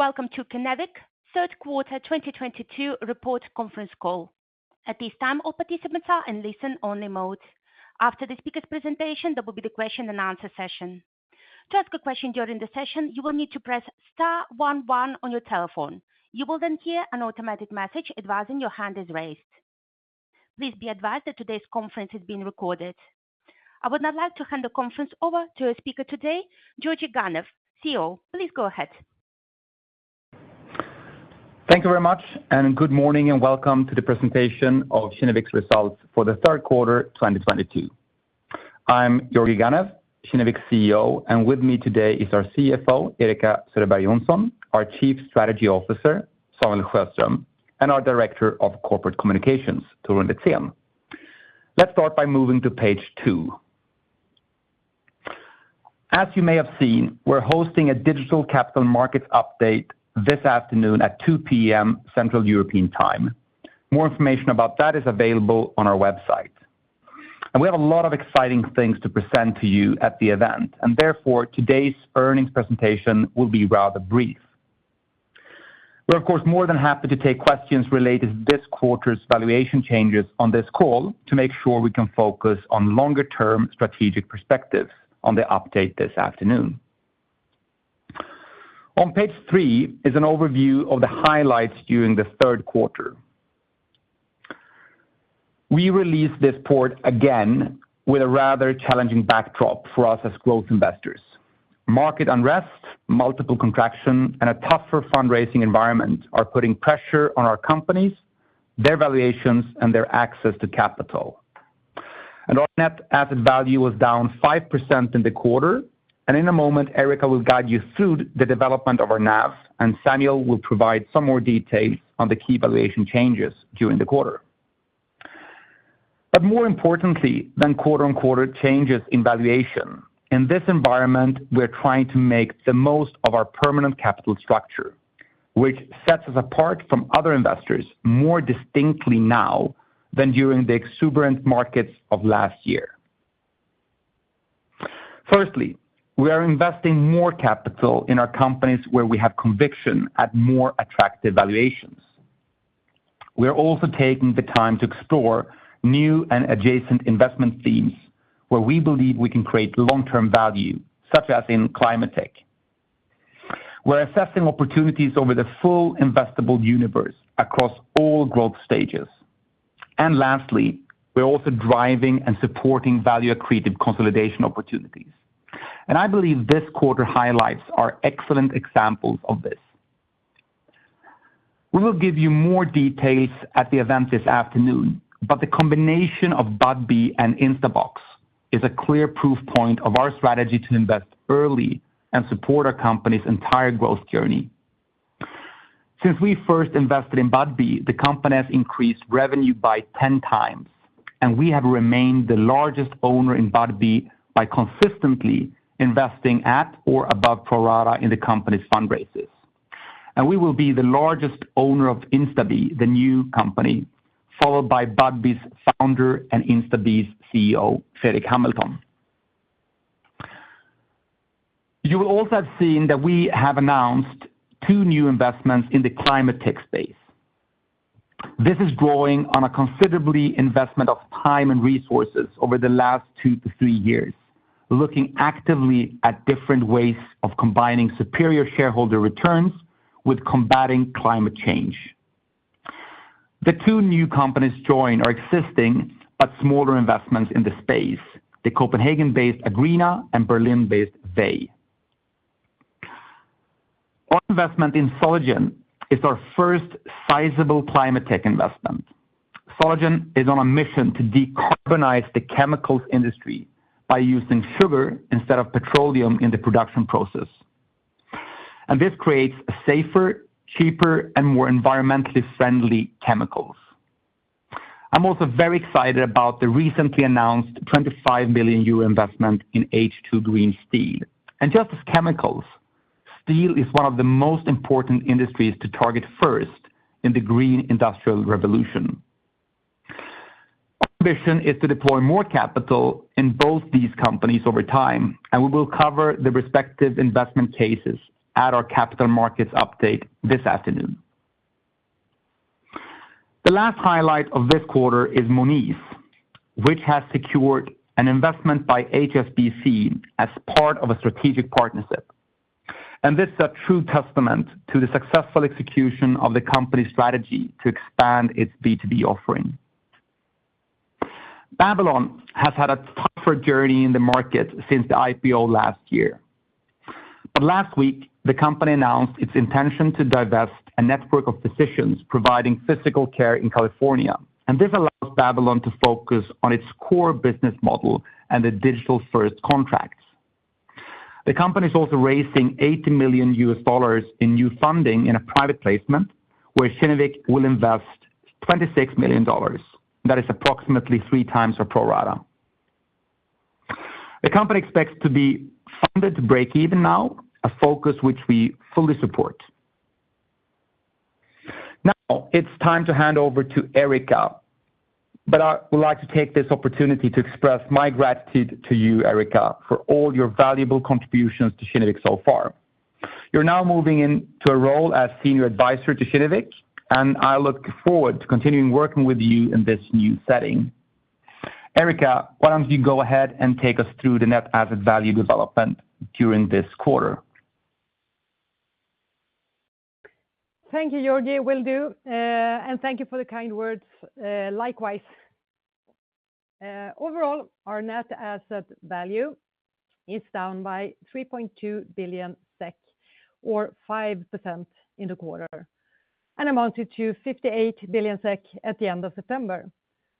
Welcome to Kinnevik Third Quarter 2022 Report Conference Call. At this time, all participants are in listen only mode. After the speaker's presentation, there will be the question and answer session. To ask a question during the session, you will need to press star one one on your telephone. You will then hear an automated message advising your hand is raised. Please be advised that today's conference is being recorded. I would now like to hand the conference over to our speaker today, Georgi Ganev, CEO. Please go ahead. Thank you very much, and good morning and welcome to the presentation of Kinnevik's results for the third quarter 2022. I'm Georgi Ganev, CEO, Kinnevik, and with me today is our CFO, Erika Söderberg Johnson, our Chief Strategy Officer, Samuel Sjöström, and our Director of Corporate Communications, Torun Wiksten. Let's start by moving to page two. As you may have seen, we're hosting a digital capital markets update this afternoon at 2:00 P.M. Central European Time. More information about that is available on our website. We have a lot of exciting things to present to you at the event, and therefore today's earnings presentation will be rather brief. We're of course more than happy to take questions related to this quarter's valuation changes on this call to make sure we can focus on longer term strategic perspectives on the update this afternoon. On page three is an overview of the highlights during the third quarter. We released this report again with a rather challenging backdrop for us as growth investors. Market unrest, multiple contraction, and a tougher fundraising environment are putting pressure on our companies, their valuations, and their access to capital. Our net asset value was down 5% in the quarter. In a moment, Erika will guide you through the development of our NAV, and Samuel will provide some more details on the key valuation changes during the quarter. More importantly than quarter-on-quarter changes in valuation, in this environment we're trying to make the most of our permanent capital structure, which sets us apart from other investors more distinctly now than during the exuberant markets of last year. Firstly, we are investing more capital in our companies where we have conviction at more attractive valuations. We are also taking the time to explore new and adjacent investment themes where we believe we can create long-term value, such as in climate tech. We're assessing opportunities over the full investable universe across all growth stages. Lastly, we're also driving and supporting value-accretive consolidation opportunities. I believe this quarter highlights are excellent examples of this. We will give you more details at the event this afternoon, but the combination of Budbee and Instabox is a clear proof point of our strategy to invest early and support our company's entire growth journey. Since we first invested in Budbee, the company has increased revenue by 10x, and we have remained the largest owner in Budbee by consistently investing at or above pro rata in the company's fundraisers. We will be the largest owner of Instabee, the new company, followed by Budbee's founder and Instabee's CEO, Fredrik Hamilton. You will also have seen that we have announced two new investments in the climate tech space. This is drawing on a considerable investment of time and resources over the last two to three years, looking actively at different ways of combining superior shareholder returns with combating climate change. The two new companies join our existing but smaller investments in the space, the Copenhagen-based Agreena and Berlin-based Vay. Our investment in Solugen is our first sizable climate tech investment. Solugen is on a mission to decarbonize the chemicals industry by using sugar instead of petroleum in the production process. This creates a safer, cheaper, and more environmentally friendly chemicals. I'm also very excited about the recently announced 25 million euro investment in H2 Green Steel. Just as chemicals, steel is one of the most important industries to target first in the green industrial revolution. Our mission is to deploy more capital in both these companies over time, and we will cover the respective investment cases at our capital markets update this afternoon. The last highlight of this quarter is Monese, which has secured an investment by HSBC as part of a strategic partnership. This is a true testament to the successful execution of the company's strategy to expand its B2B offering. Babylon has had a tougher journey in the market since the IPO last year. Last week, the company announced its intention to divest a network of physicians providing physical care in California. This allows Babylon to focus on its core business model and the digital-first contracts. The company is also raising $80 million in new funding in a private placement where Kinnevik will invest $26 million. That is approximately three times our pro rata. The company expects to be funded to break even now, a focus which we fully support. Now it's time to hand over to Erika, but I would like to take this opportunity to express my gratitude to you, Erika, for all your valuable contributions to Kinnevik so far. You're now moving into a role as Senior Advisor to Kinnevik, and I look forward to continuing working with you in this new setting. Erika, why don't you go ahead and take us through the net asset value development during this quarter? Thank you, Georgi. Will do, and thank you for the kind words, likewise. Overall, our net asset value is down by 3.2 billion SEK, or 5% in the quarter, and amounted to 58 billion SEK at the end of September.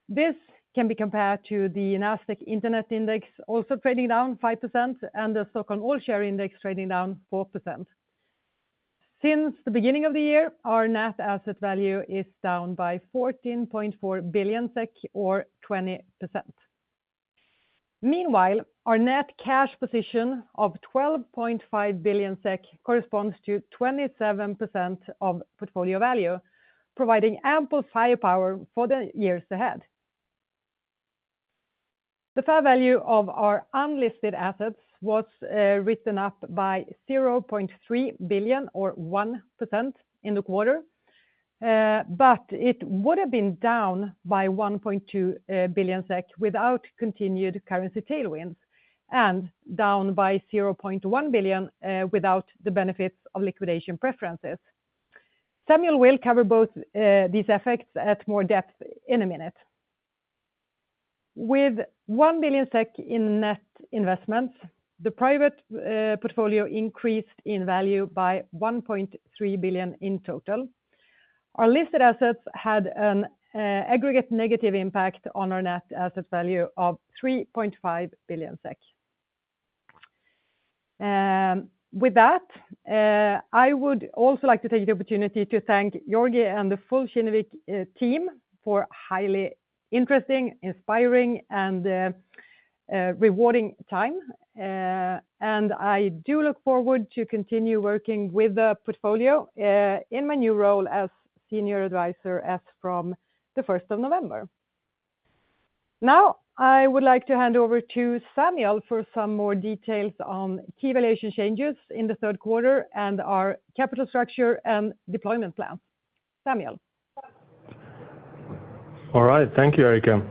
This can be compared to the NASDAQ Internet Index also trading down 5% and the OMX Stockholm All-Share Index trading down 4%. Since the beginning of the year, our net asset value is down by 14.4 billion SEK or 20%. Meanwhile, our net cash position of 12.5 billion SEK corresponds to 27% of portfolio value, providing ample firepower for the years ahead. The fair value of our unlisted assets was written up by 0.3 billion or 1% in the quarter, but it would have been down by 1.2 billion SEK without continued currency tailwinds and down by 0.1 billion without the benefits of liquidation preferences. Samuel will cover both these effects at more depth in a minute. With 1 billion SEK in net investments, the private portfolio increased in value by 1.3 billion in total. Our listed assets had an aggregate negative impact on our net asset value of 3.5 billion SEK. With that, I would also like to take the opportunity to thank Georgi Ganev and the full Kinnevik team for highly interesting, inspiring, and rewarding time. I do look forward to continue working with the portfolio in my new role as senior advisor as from the first of November. Now, I would like to hand over to Samuel Sjöström for some more details on key valuation changes in the third quarter and our capital structure and deployment plan. Samuel Sjöström. All right. Thank you, Erika.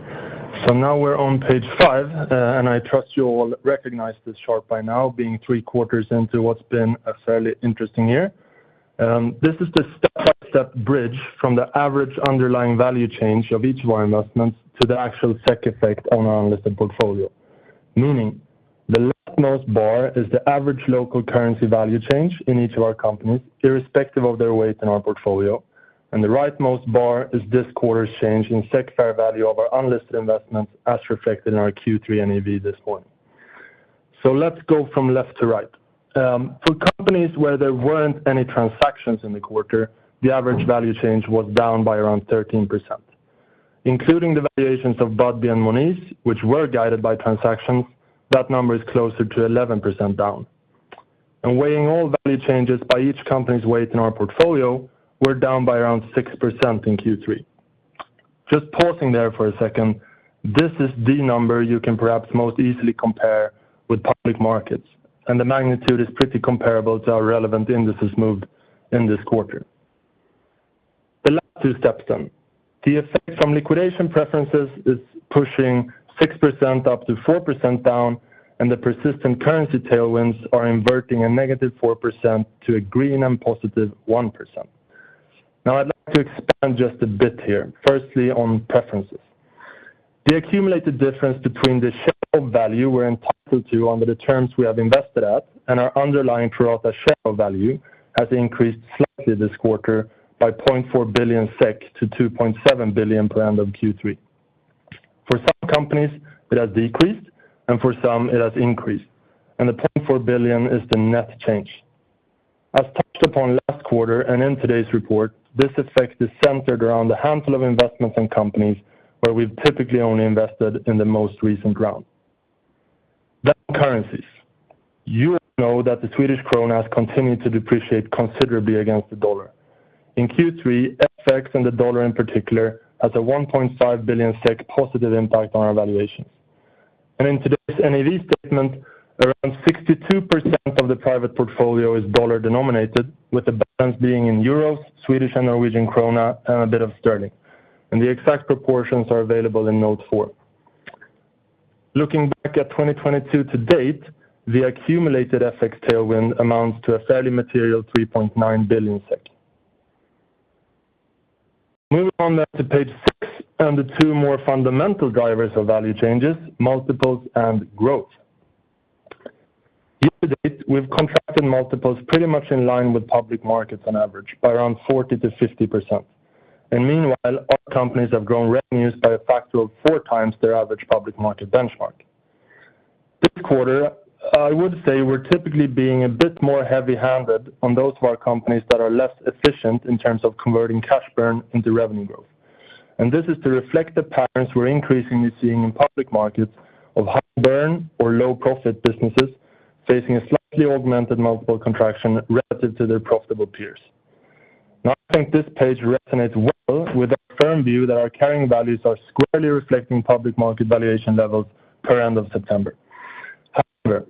Now we're on page 5, and I trust you all recognize this chart by now being three quarters into what's been a fairly interesting year. This is the step-by-step bridge from the average underlying value change of each of our investments to the actual SEK effect on our unlisted portfolio. Meaning the leftmost bar is the average local currency value change in each of our companies, irrespective of their weight in our portfolio. The rightmost bar is this quarter's change in SEK fair value of our unlisted investments as reflected in our Q3 NAV this morning. Let's go from left to right. For companies where there weren't any transactions in the quarter, the average value change was down by around 13%, including the valuations of Budbee and Monese, which were guided by transactions. That number is closer to 11% down. Weighing all value changes by each company's weight in our portfolio, we're down by around 6% in Q3. Just pausing there for a second. This is the number you can perhaps most easily compare with public markets, and the magnitude is pretty comparable to our relevant indices moved in this quarter. The last two steps. The effect from liquidation preferences is pushing 6% up to 4% down, and the persistent currency tailwinds are inverting a negative 4% to a green and positive 1%. Now, I'd like to expand just a bit here. Firstly, on preferences. The accumulated difference between the share value we're entitled to under the terms we have invested at and our underlying throughout the share value has increased slightly this quarter by 0.4 billion SEK to 2.7 billion at the end of Q3. For some companies, it has decreased, and for some it has increased, and the 0.4 billion is the net change. As touched upon last quarter and in today's report, this effect is centered around a handful of investments and companies where we've typically only invested in the most recent round. Currencies. You know that the Swedish krona has continued to depreciate considerably against the US dollar. In Q3, FX and the US dollar in particular has a 1.5 billion SEK positive impact on our valuation. In today's NAV statement, around 62% of the private portfolio is dollar-denominated, with the balance being in euros, Swedish and Norwegian krona, and a bit of sterling. The exact proportions are available in note four. Looking back at 2022 to date, the accumulated FX tailwind amounts to a fairly material 3.9 billion SEK. Moving on then to page six and the two more fundamental drivers of value changes, multiples and growth. Year to date, we've contracted multiples pretty much in line with public markets on average by around 40%-50%. Meanwhile, our companies have grown revenues by a factor of 4x their average public market benchmark. This quarter, I would say we're typically being a bit more heavy-handed on those of our companies that are less efficient in terms of converting cash burn into revenue growth. This is to reflect the patterns we're increasingly seeing in public markets of high burn or low profit businesses facing a slightly augmented multiple contraction relative to their profitable peers. Now, I think this page resonates well with our firm view that our carrying values are squarely reflecting public market valuation levels per end of September. However,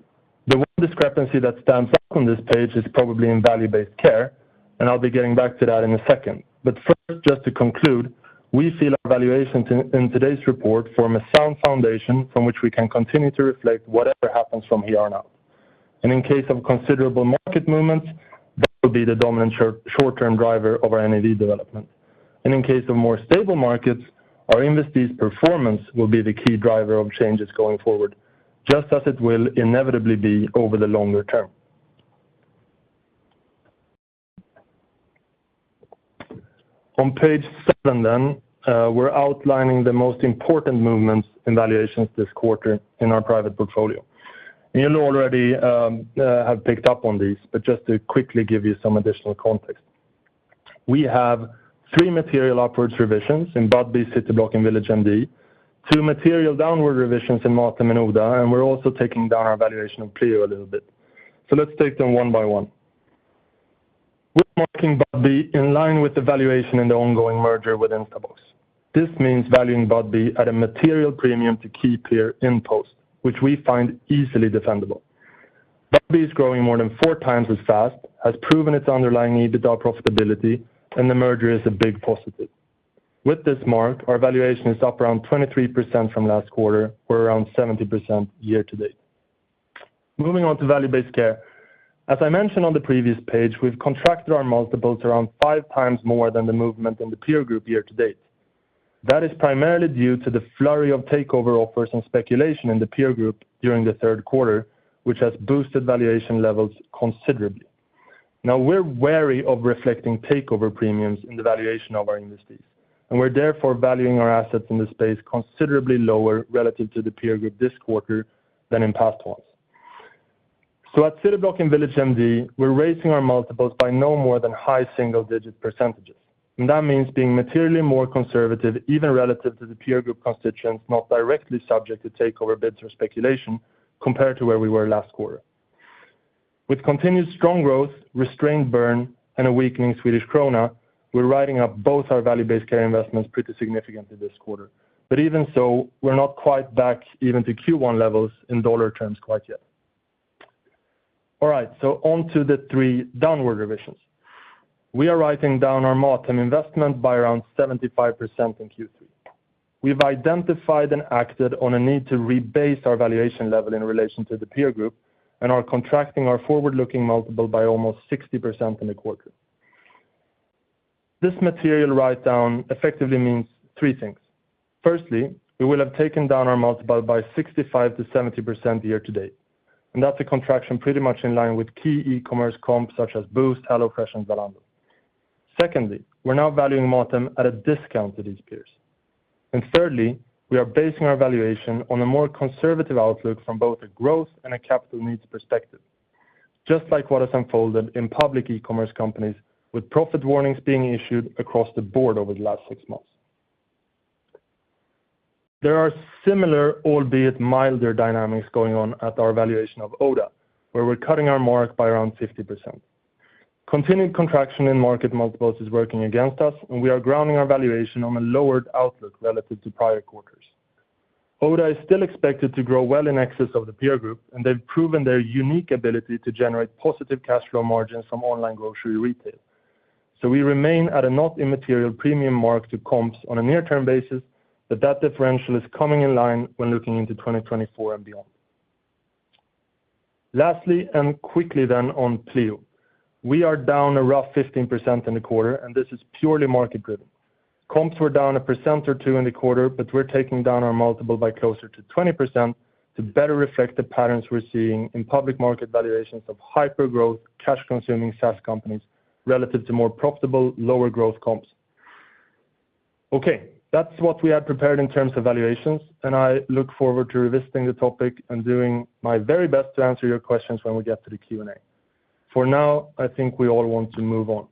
the one discrepancy that stands out on this page is probably in value-based care, and I'll be getting back to that in a second. First, just to conclude, we feel our valuations in today's report form a sound foundation from which we can continue to reflect whatever happens from here on out. In case of considerable market movements, that will be the dominant short-term driver of our NAV development. In case of more stable markets, our investee's performance will be the key driver of changes going forward, just as it will inevitably be over the longer term. On page seven, we're outlining the most important movements in valuations this quarter in our private portfolio. You'll already have picked up on these, but just to quickly give you some additional context. We have three material upward revisions in Budbee, Cityblock Health and VillageMD, two material downward revisions in MatHem and Oda, and we're also taking down our valuation of Pleo a little bit. Let's take them one by one. We're marking Budbee in line with the valuation in the ongoing merger with Instabox. This means valuing Budbee at a material premium to key peer InPost, which we find easily defendable. Budbee is growing more than 4 times as fast, has proven its underlying EBITDA profitability, and the merger is a big positive. With this mark, our valuation is up around 23% from last quarter. We're around 70% year-to-date. Moving on to value-based care. As I mentioned on the previous page, we've contracted our multiples around 5 times more than the movement in the peer group year-to-date. That is primarily due to the flurry of takeover offers and speculation in the peer group during the third quarter, which has boosted valuation levels considerably. Now, we're wary of reflecting takeover premiums in the valuation of our investees, and we're therefore valuing our assets in this space considerably lower relative to the peer group this quarter than in past ones. At Cityblock Health and VillageMD, we're raising our multiples by no more than high single-digit percentages. That means being materially more conservative, even relative to the peer group constituents not directly subject to takeover bids or speculation compared to where we were last quarter. With continued strong growth, restrained burn, and a weakening Swedish krona, we're writing up both our value-based care investments pretty significantly this quarter. Even so, we're not quite back even to Q1 levels in dollar terms quite yet. All right, on to the 3 downward revisions. We are writing down our Motum investment by around 75% in Q3. We've identified and acted on a need to rebase our valuation level in relation to the peer group and are contracting our forward-looking multiple by almost 60% in the quarter. This material write-down effectively means 3 things. Firstly, we will have taken down our multiple by 65%-70% year-to-date, and that's a contraction pretty much in line with key e-commerce comps such as Boozt, HelloFresh, and Zalando. Secondly, we're now valuing MatHem at a discount to these peers. Thirdly, we are basing our valuation on a more conservative outlook from both a growth and a capital needs perspective, just like what has unfolded in public e-commerce companies, with profit warnings being issued across the board over the last 6 months. There are similar, albeit milder dynamics going on at our valuation of Oda, where we're cutting our mark by around 50%. Continued contraction in market multiples is working against us, and we are grounding our valuation on a lowered outlook relative to prior quarters. Oda is still expected to grow well in excess of the peer group, and they've proven their unique ability to generate positive cash flow margins from online grocery retail. We remain at a not immaterial premium mark to comps on a near-term basis, but that differential is coming in line when looking into 2024 and beyond. Lastly and quickly then on Pleo. We are down a rough 15% in the quarter, and this is purely market-driven. Comps were down 1% or 2% in the quarter, but we're taking down our multiple by closer to 20% to better reflect the patterns we're seeing in public market valuations of hyper-growth, cash-consuming SaaS companies relative to more profitable, lower growth comps. Okay, that's what we had prepared in terms of valuations, and I look forward to revisiting the topic and doing my very best to answer your questions when we get to the Q&A. For now, I think we all want to move on.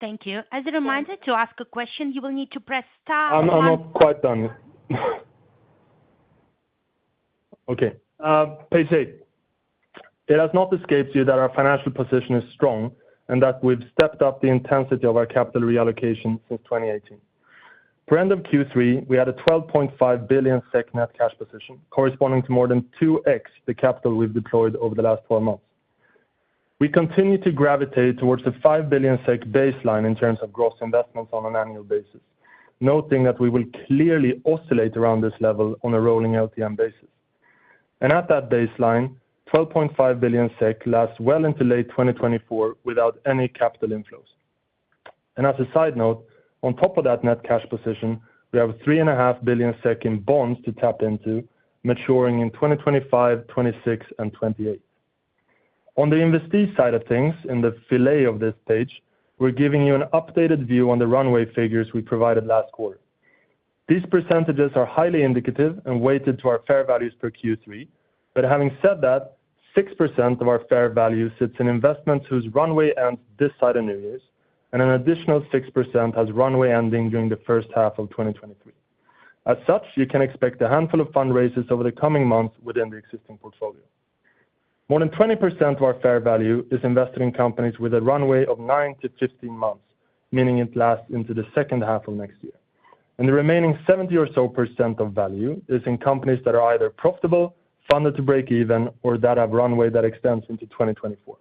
Thank you. As a reminder to ask a question, you will need to press star one. I'm not quite done yet. Okay. Page eight. It has not escaped you that our financial position is strong and that we've stepped up the intensity of our capital reallocation since 2018. Per end of Q3, we had a 12.5 billion SEK net cash position, corresponding to more than 2x the capital we've deployed over the last 12 months. We continue to gravitate towards the 5 billion SEK baseline in terms of gross investments on an annual basis, noting that we will clearly oscillate around this level on a rolling LTM basis. At that baseline, 12.5 billion SEK lasts well into late 2024 without any capital inflows. As a side note, on top of that net cash position, we have three and a half billion SEK in bonds to tap into maturing in 2025, 2026, and 2028. On the investee side of things, in the footer of this page, we're giving you an updated view on the runway figures we provided last quarter. These percentages are highly indicative and weighted to our fair values per Q3. Having said that, 6% of our fair value sits in investments whose runway ends this side of New Year's, and an additional 6% has runway ending during the first half of 2023. As such, you can expect a handful of fundraisers over the coming months within the existing portfolio. More than 20% of our fair value is invested in companies with a runway of 9-15 months, meaning it lasts into the second half of next year. The remaining 70% or so of value is in companies that are either profitable, funded to break even, or that have runway that extends into 2024.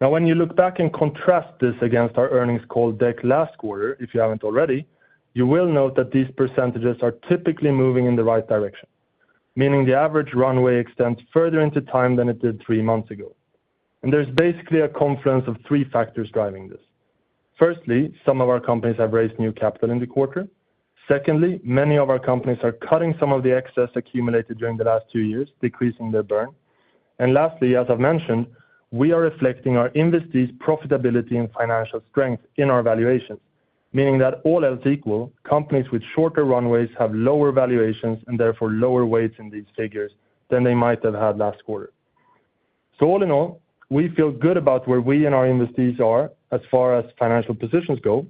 Now, when you look back and contrast this against our earnings call deck last quarter, if you haven't already, you will note that these percentages are typically moving in the right direction, meaning the average runway extends further into time than it did three months ago. There's basically a confluence of three factors driving this. Firstly, some of our companies have raised new capital in the quarter. Secondly, many of our companies are cutting some of the excess accumulated during the last two years, decreasing their burn. Lastly, as I've mentioned, we are reflecting our investees' profitability and financial strength in our valuations. Meaning that all else equal, companies with shorter runways have lower valuations and therefore lower weights in these figures than they might have had last quarter. All in all, we feel good about where we and our investees are as far as financial positions go.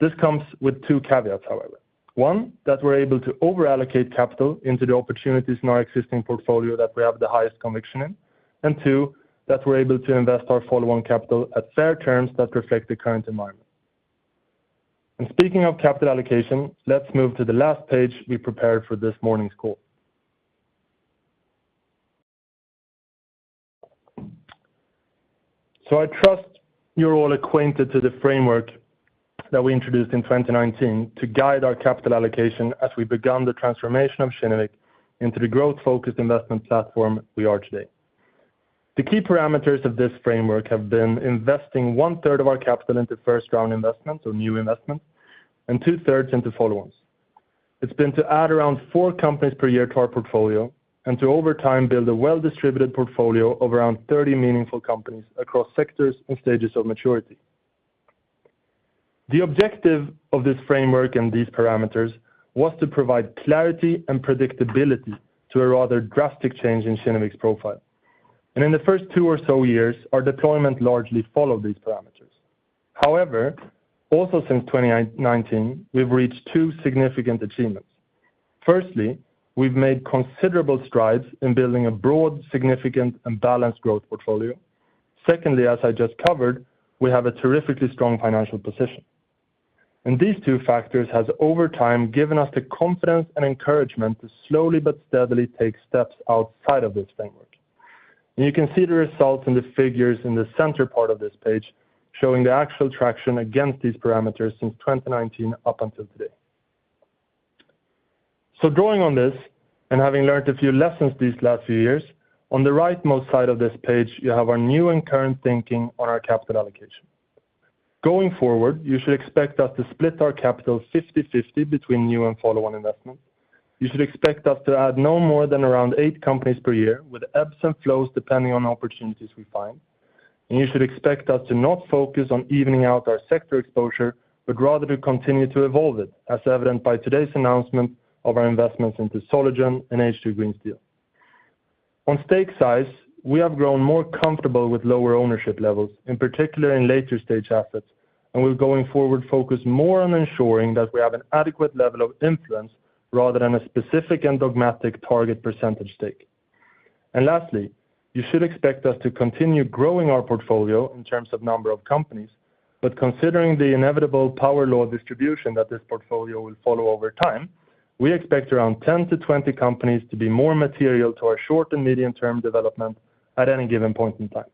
This comes with two caveats, however. One, that we're able to over-allocate capital into the opportunities in our existing portfolio that we have the highest conviction in. And two, that we're able to invest our follow-on capital at fair terms that reflect the current environment. Speaking of capital allocation, let's move to the last page we prepared for this morning's call. I trust you're all acquainted with the framework that we introduced in 2019 to guide our capital allocation as we begun the transformation of Kinnevik into the growth-focused investment platform we are today. The key parameters of this framework have been investing one-third of our capital into first-round investments or new investments, and two-thirds into follow-ons. It's been to add around 4 companies per year to our portfolio and to, over time, build a well-distributed portfolio of around 30 meaningful companies across sectors and stages of maturity. The objective of this framework and these parameters was to provide clarity and predictability to a rather drastic change in Kinnevik's profile. In the first 2 or so years, our deployment largely followed these parameters. However, also since 2019, we've reached 2 significant achievements. Firstly, we've made considerable strides in building a broad, significant, and balanced growth portfolio. Secondly, as I just covered, we have a terrifically strong financial position. These two factors has, over time, given us the confidence and encouragement to slowly but steadily take steps outside of this framework. You can see the results in the figures in the center part of this page, showing the actual traction against these parameters since 2019 up until today. drawing on this, and having learned a few lessons these last few years, on the rightmost side of this page, you have our new and current thinking on our capital allocation. Going forward, you should expect us to split our capital 50/50 between new and follow-on investments. You should expect us to add no more than around eight companies per year, with ebbs and flows, depending on opportunities we find. You should expect us to not focus on evening out our sector exposure, but rather to continue to evolve it, as evidenced by today's announcement of our investments into Solugen and H2 Green Steel. On stake size, we have grown more comfortable with lower ownership levels, in particular in later-stage assets, and we're going forward focus more on ensuring that we have an adequate level of influence rather than a specific and dogmatic target percentage stake. Lastly, you should expect us to continue growing our portfolio in terms of number of companies. Considering the inevitable power law of distribution that this portfolio will follow over time, we expect around 10-20 companies to be more material to our short and medium-term development at any given point in time.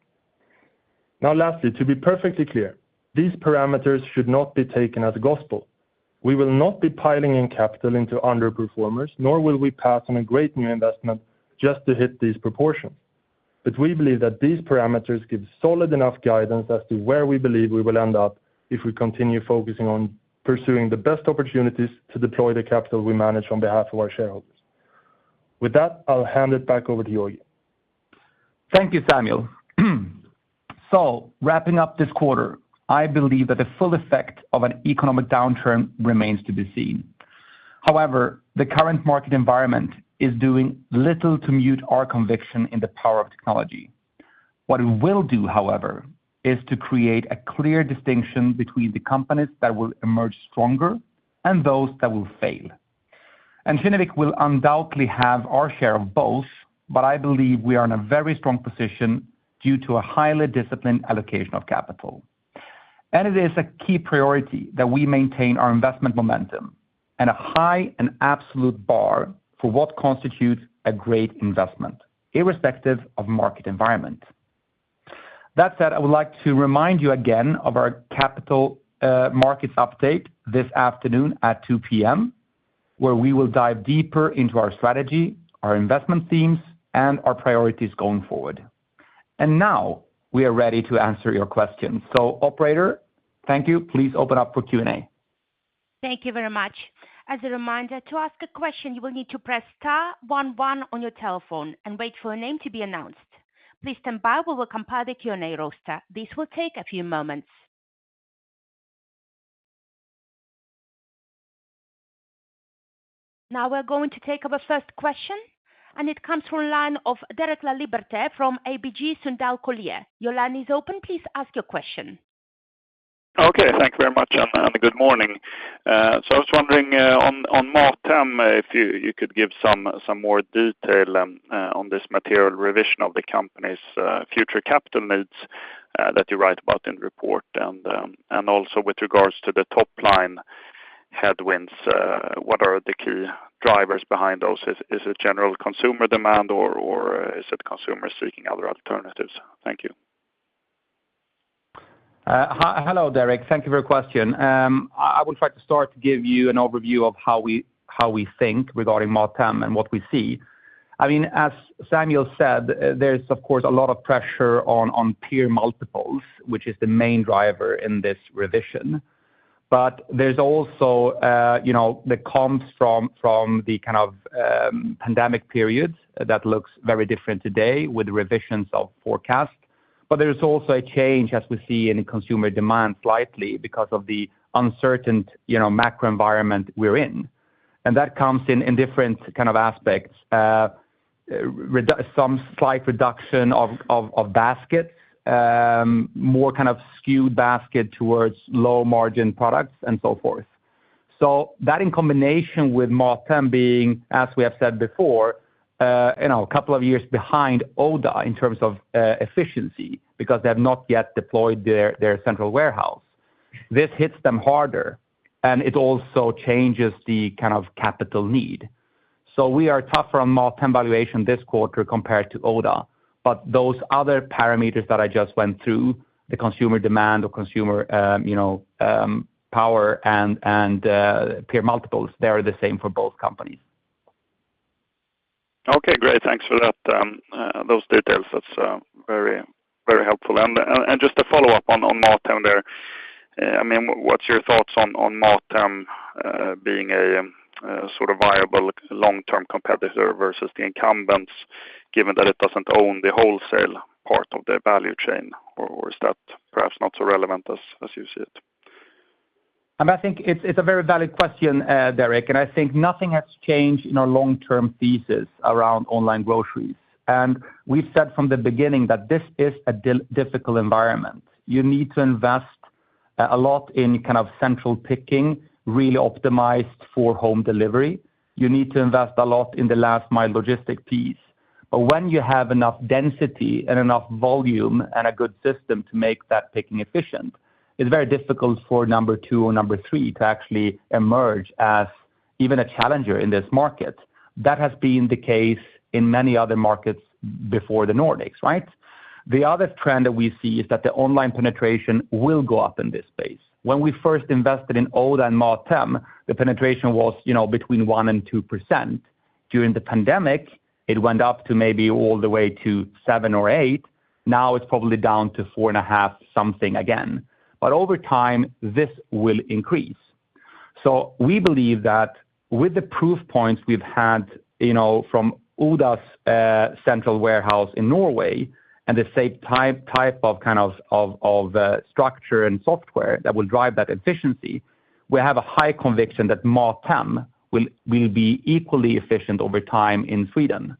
Now lastly, to be perfectly clear, these parameters should not be taken as gospel. We will not be piling in capital into underperformers, nor will we pass on a great new investment just to hit these proportions. We believe that these parameters give solid enough guidance as to where we believe we will end up if we continue focusing on pursuing the best opportunities to deploy the capital we manage on behalf of our shareholders. With that, I'll hand it back over to Georgi. Thank you, Samuel. Wrapping up this quarter, I believe that the full effect of an economic downturn remains to be seen. However, the current market environment is doing little to mute our conviction in the power of technology. What it will do, however, is to create a clear distinction between the companies that will emerge stronger and those that will fail. Kinnevik will undoubtedly have our share of both, but I believe we are in a very strong position due to a highly disciplined allocation of capital. It is a key priority that we maintain our investment momentum and a high and absolute bar for what constitutes a great investment, irrespective of market environment. That said, I would like to remind you again of our capital markets update this afternoon at 2:00 P.M., where we will dive deeper into our strategy, our investment themes, and our priorities going forward. Now we are ready to answer your questions. Operator, thank you. Please open up for Q&A. Thank you very much. As a reminder, to ask a question, you will need to press star one one on your telephone and wait for a name to be announced. Please stand by. We will compile the Q&A roster. This will take a few moments. Now we're going to take our first question, and it comes from line of Derek Laliberte from ABG Sundal Collier. Your line is open. Please ask your question. kay. Thank you very much, and good morning. I was wondering on MatHem, if you could give some more detail on this material revision of the company's future capital needs that you write about in the report. Also with regards to the top line headwinds, what are the key drivers behind those? Is it general consumer demand or is it consumers seeking other alternatives? Thank you. Hello, Derek. Thank you for your question. I will try to start to give you an overview of how we think regarding MatHem and what we see. I mean, as Samuel said, there's of course a lot of pressure on peer multiples, which is the main driver in this revision. There's also, you know, the comps from the kind of pandemic periods that looks very different today with revisions of forecast. There is also a change as we see in consumer demand slightly because of the uncertain, you know, macro environment we're in. That comes in different kind of aspects. Some slight reduction of basket, more kind of skewed basket towards low margin products and so forth. That in combination with MatHem being, as we have said before, you know, a couple of years behind Oda in terms of efficiency because they have not yet deployed their central warehouse. This hits them harder, and it also changes the kind of capital need. We are tougher on MatHem valuation this quarter compared to Oda. Those other parameters that I just went through, the consumer demand or consumer, you know, power and peer multiples, they are the same for both companies. Okay, great. Thanks for that, those details. That's very, very helpful. Just a follow-up on MatHem there. I mean, what's your thoughts on MatHem being a sort of viable long-term competitor versus the incumbents given that it doesn't own the wholesale part of the value chain? Is that perhaps not so relevant as you see it? I think it's a very valid question, Derek, and I think nothing has changed in our long-term thesis around online groceries. We've said from the beginning that this is a difficult environment. You need to invest a lot in kind of central picking, really optimized for home delivery. You need to invest a lot in the last mile logistic piece. When you have enough density and enough volume and a good system to make that picking efficient, it's very difficult for number two or number three to actually emerge as even a challenger in this market. That has been the case in many other markets before the Nordics, right? The other trend that we see is that the online penetration will go up in this space. When we first invested in Oda and MatHem, the penetration was between 1% and 2%. During the pandemic, it went up to maybe all the way to 7 or 8. Now it's probably down to 4.5 something again. Over time, this will increase. We believe that with the proof points we've had, you know, from Oda's central warehouse in Norway and the same type of kind of structure and software that will drive that efficiency, we have a high conviction that MatHem will be equally efficient over time in Sweden.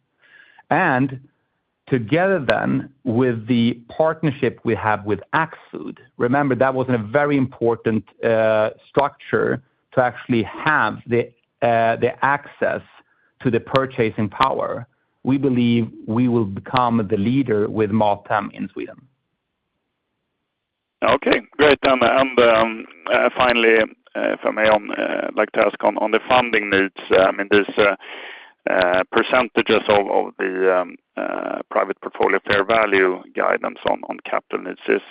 Together then with the partnership we have with Axfood, remember, that was a very important structure to actually have the access to the purchasing power. We believe we will become the leader with MatHem in Sweden. Okay, great. Finally, if I may, like to ask on the funding needs, in this percentages of the private portfolio fair value guidance on capital needs is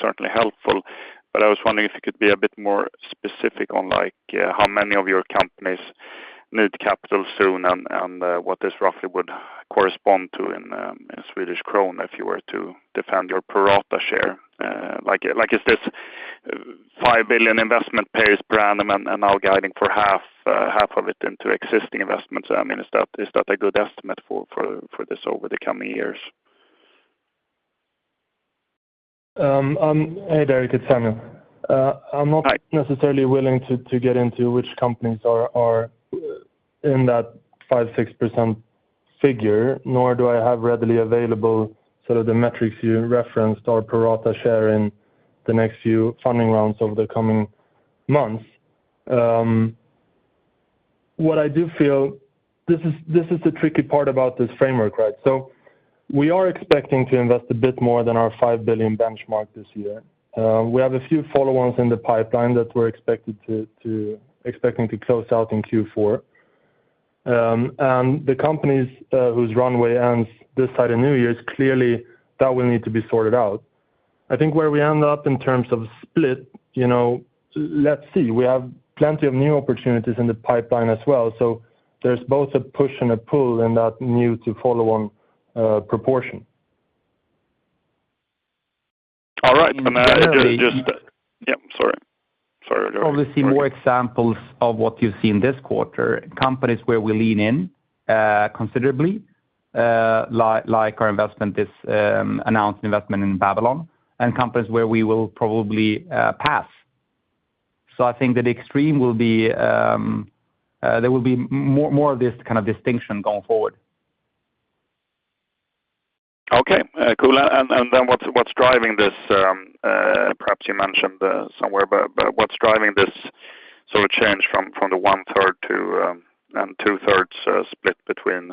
certainly helpful. I was wondering if you could be a bit more specific on like, how many of your companies need capital soon and what this roughly would correspond to in SEK if you were to defend your pro rata share. Like, is this 5 billion investment per annum and now guiding for half of it into existing investments. I mean, is that a good estimate for this over the coming years? Hey, Derek, it's Samuel. I'm not- Hi. necessarily willing to get into which companies are in that 5-6% figure, nor do I have readily available sort of the metrics you referenced our pro rata share in the next few funding rounds over the coming months. What I do feel. This is the tricky part about this framework, right? We are expecting to invest a bit more than our 5 billion benchmark this year. We have a few follow-ons in the pipeline that we're expecting to close out in Q4. The companies whose runway ends this side of New Year's, clearly that will need to be sorted out. I think where we end up in terms of split, you know, let's see. We have plenty of new opportunities in the pipeline as well. There's both a push and a pull in that new to follow-on proportion. All right. And generally- Yep, sorry. Go ahead. You'll probably see more examples of what you see in this quarter, companies where we lean in considerably, like our investment, this announced investment in Babylon, and companies where we will probably pass. I think that there will be more of this kind of distinction going forward. Okay. Cool. What's driving this, perhaps you mentioned somewhere, but what's driving this sort of change from the 1/3 to 2/3 split between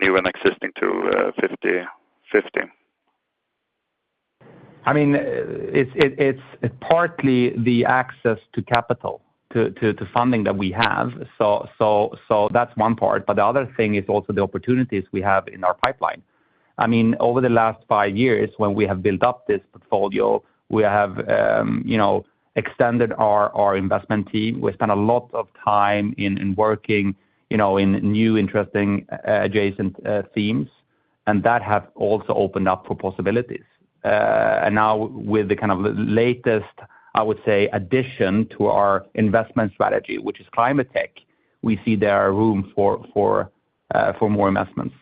new and existing to 50/50? I mean, it's partly the access to capital to funding that we have. That's one part. The other thing is also the opportunities we have in our pipeline. I mean, over the last five years when we have built up this portfolio, we have, you know, extended our investment team. We spent a lot of time in working, you know, in new interesting adjacent themes, and that have also opened up for possibilities. Now with the kind of latest, I would say, addition to our investment strategy, which is climate tech, we see there are room for more investments.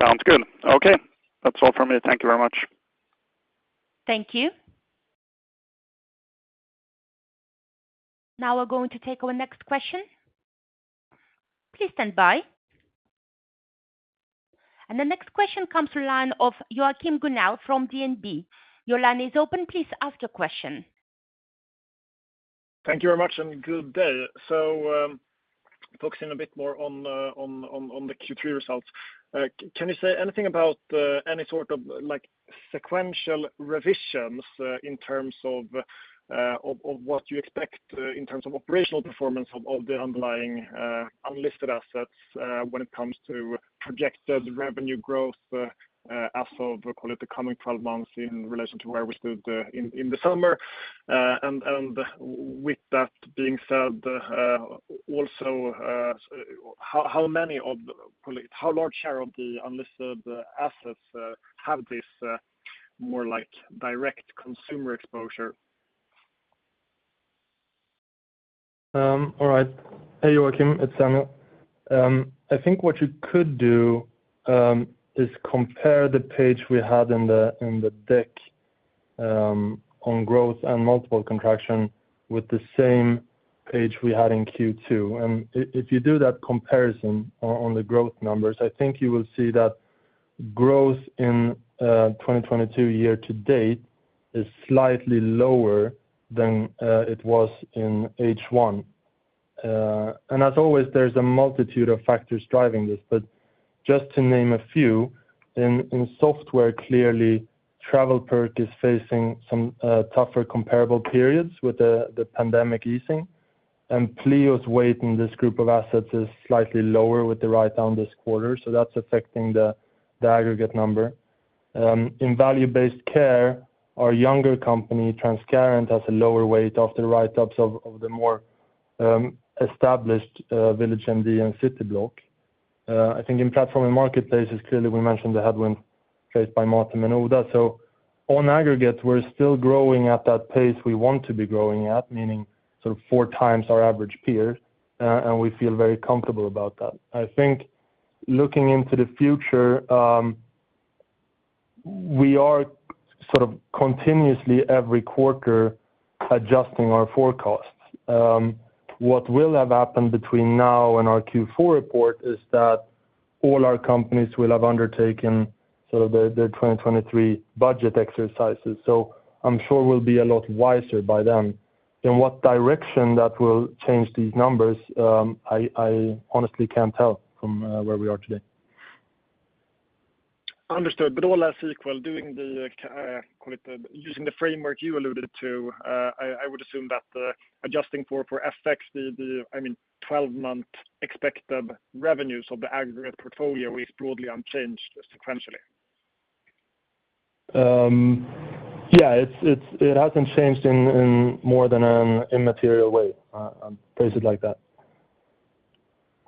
Sounds good. Okay. That's all from me. Thank you very much. Thank you. Now we're going to take our next question. Please stand by. The next question comes through line of Joachim Gunell from DNB. Your line is open. Please ask your question. Thank you very much, and good day. Focusing a bit more on the Q3 results, can you say anything about any sort of like sequential revisions in terms of what you expect in terms of operational performance of the underlying unlisted assets when it comes to projected revenue growth as of call it the coming 12 months in relation to where we stood in the summer? With that being said, also how many of call it how large share of the unlisted assets have this more like direct consumer exposure? All right. Hey, Joachim, it's Samuel. I think what you could do is compare the page we had in the deck on growth and multiple contraction with the same page we had in Q2. If you do that comparison on the growth numbers, I think you will see that growth in 2022 year to date is slightly lower than it was in H1. As always, there's a multitude of factors driving this. Just to name a few, in software, clearly TravelPerk is facing some tougher comparable periods with the pandemic easing. Pleo's weight in this group of assets is slightly lower with the write down this quarter, so that's affecting the aggregate number. In value-based care, our younger company, Transcarent, has a lower weight of the write-downs of the more established VillageMD and Cityblock. I think, in platform and marketplace, we clearly mentioned the headwind faced by Monese and Oda. On aggregate, we're still growing at that pace we want to be growing at, meaning sort of four times our average peer, and we feel very comfortable about that. I think looking into the future, we are sort of continuously every quarter adjusting our forecasts. What will have happened between now and our Q4 report is that all our companies will have undertaken the 2023 budget exercises. I'm sure we'll be a lot wiser by then. In what direction that will change these numbers, I honestly can't tell from where we are today. Understood. All else equal, using the framework you alluded to, I would assume that, adjusting for FX, the 12-month expected revenues of the aggregate portfolio is broadly unchanged sequentially. Yeah, it hasn't changed in more than an immaterial way. I'll place it like that.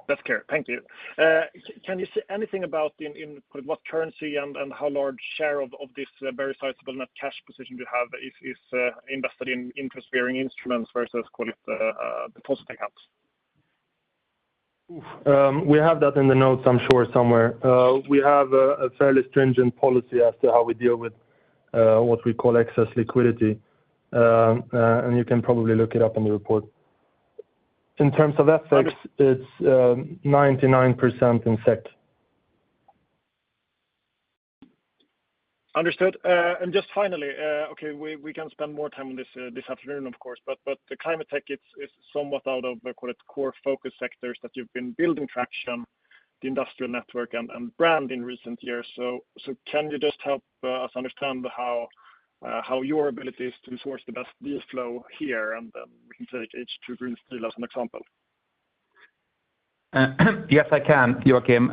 That's clear. Thank you. Can you say anything about in what currency and how large share of this very sizable net cash position you have is invested in interest-bearing instruments versus call it deposit accounts? We have a fairly stringent policy as to how we deal with what we call excess liquidity. You can probably look it up in the report. In terms of FX. Okay. It's 99% in SEK. Understood. Just finally, okay, we can spend more time on this this afternoon of course, but the climate tech is somewhat out of the, call it, core focus sectors that you've been building traction, the industrial network and brand in recent years. Can you just help us understand how your ability is to source the best deal flow here, and we can take H2 Green Steel as an example? Yes, I can, Joachim.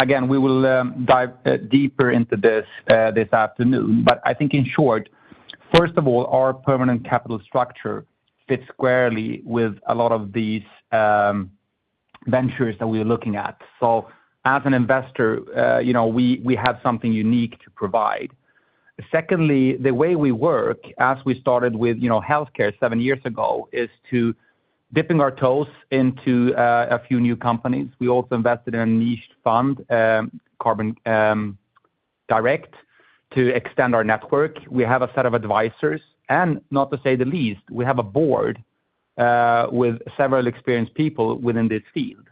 Again, we will dive deeper into this afternoon. I think in short, first of all, our permanent capital structure fits squarely with a lot of these ventures that we're looking at. As an investor, you know, we have something unique to provide. Secondly, the way we work as we started with, you know, healthcare seven years ago, is to dipping our toes into a few new companies. We also invested in a niche fund, Carbon Direct, to extend our network. We have a set of advisors, and last but not least, we have a board with several experienced people within this field.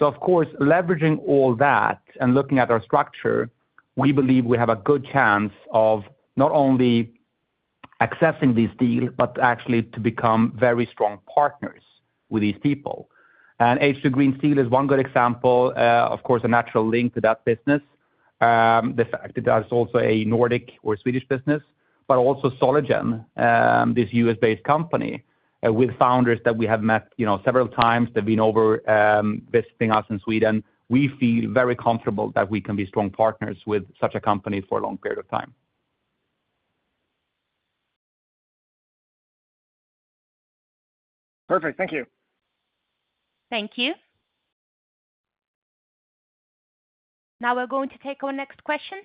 Of course, leveraging all that and looking at our structure, we believe we have a good chance of not only accessing this deal, but actually to become very strong partners with these people. H2 Green Steel is one good example, of course, a natural link to that business. The fact that that's also a Nordic or Swedish business, but also Solugen, this U.S.-based company, with founders that we have met, you know, several times. They've been over, visiting us in Sweden. We feel very comfortable that we can be strong partners with such a company for a long period of time. Perfect. Thank you. Thank you. Now we're going to take our next question.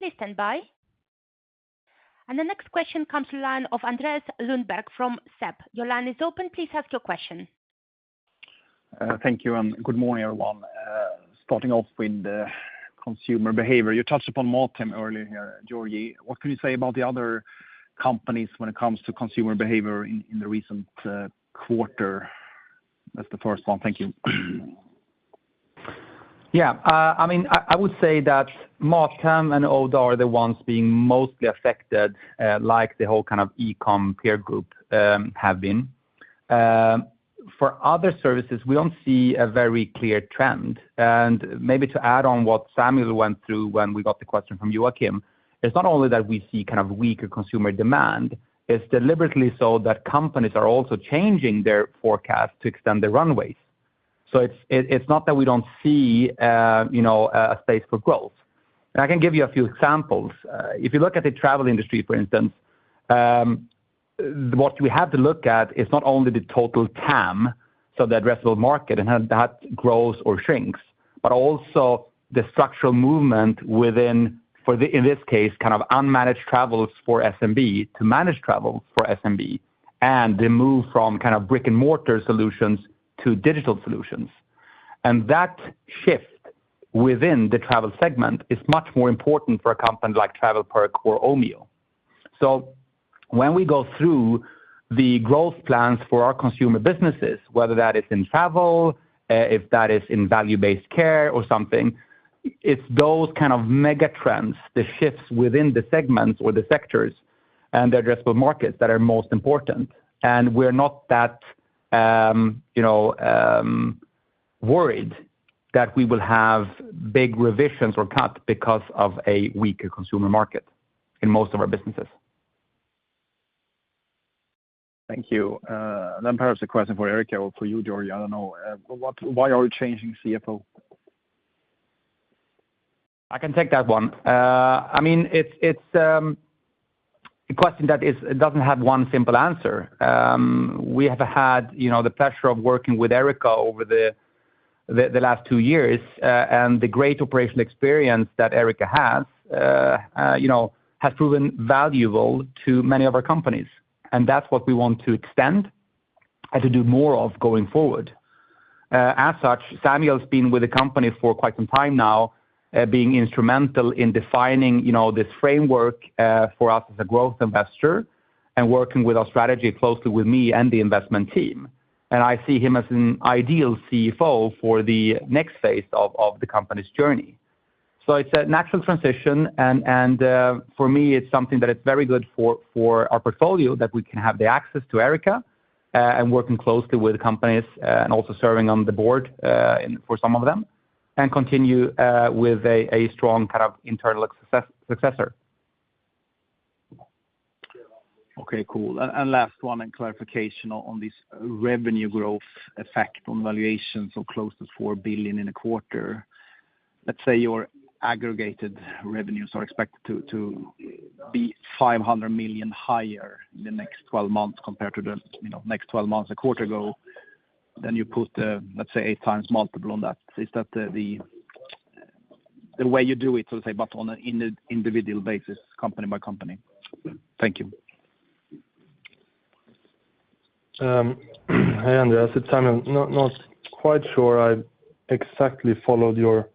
Please stand by. The next question comes from the line of Andreas Lundberg from SEB. Your line is open. Please ask your question. Thank you, and good morning, everyone. Starting off with the consumer behavior. You touched upon Motum earlier here, Georgi. What can you say about the other companies when it comes to consumer behavior in the recent quarter? That's the first one. Thank you. Yeah. I mean, I would say that MatHem and Oda are the ones being mostly affected, like the whole kind of e-com peer group, have been. For other services, we don't see a very clear trend. Maybe to add on what Samuel went through when we got the question from you, Joachim, it's not only that we see kind of weaker consumer demand, it's also that companies are deliberately changing their forecast to extend their runways. It's not that we don't see, you know, a space for growth. I can give you a few examples. If you look at the travel industry, for instance, what we have to look at is not only the total TAM, so the addressable market, and how that grows or shrinks, but also the structural movement within, for the... In this case, kind of unmanaged travels for SMB to managed travel for SMB, and the move from kind of brick-and-mortar solutions to digital solutions. That shift within the travel segment is much more important for a company like TravelPerk or Omio. When we go through the growth plans for our consumer businesses, whether that is in travel, if that is in value-based care or something, it's those kind of mega trends, the shifts within the segments or the sectors and the addressable markets that are most important. We're not that, you know, worried that we will have big revisions or cuts because of a weaker consumer market in most of our businesses. Thank you. Perhaps a question for Erika or for you, Georgi. I don't know. Why are we changing CFO? I can take that one. I mean, it's a question that doesn't have one simple answer. We have had, you know, the pleasure of working with Erika over the last two years, and the great operational experience that Erika has, you know, has proven valuable to many of our companies, and that's what we want to extend and to do more of going forward. As such, Samuel's been with the company for quite some time now, being instrumental in defining, you know, this framework, for us as a growth investor and working with our strategy closely with me and the investment team. I see him as an ideal CFO for the next phase of the company's journey. It's a natural transition and for me, it's something that is very good for our portfolio that we can have the access to Erika and working closely with companies and also serving on the board for some of them and continue with a strong kind of internal successor. Okay, cool. Last one and clarification on this revenue growth effect on valuations of close to 4 billion in a quarter. Let's say your aggregated revenues are expected to be 500 million higher in the next 12 months compared to the, you know, next 12 months a quarter ago, then you put, let's say 8x multiple on that. Is that the way you do it, so to say, but on an individual basis, company by company? Thank you. Hi, Andreas. It's Samuel Sjöström. Not quite sure I exactly followed your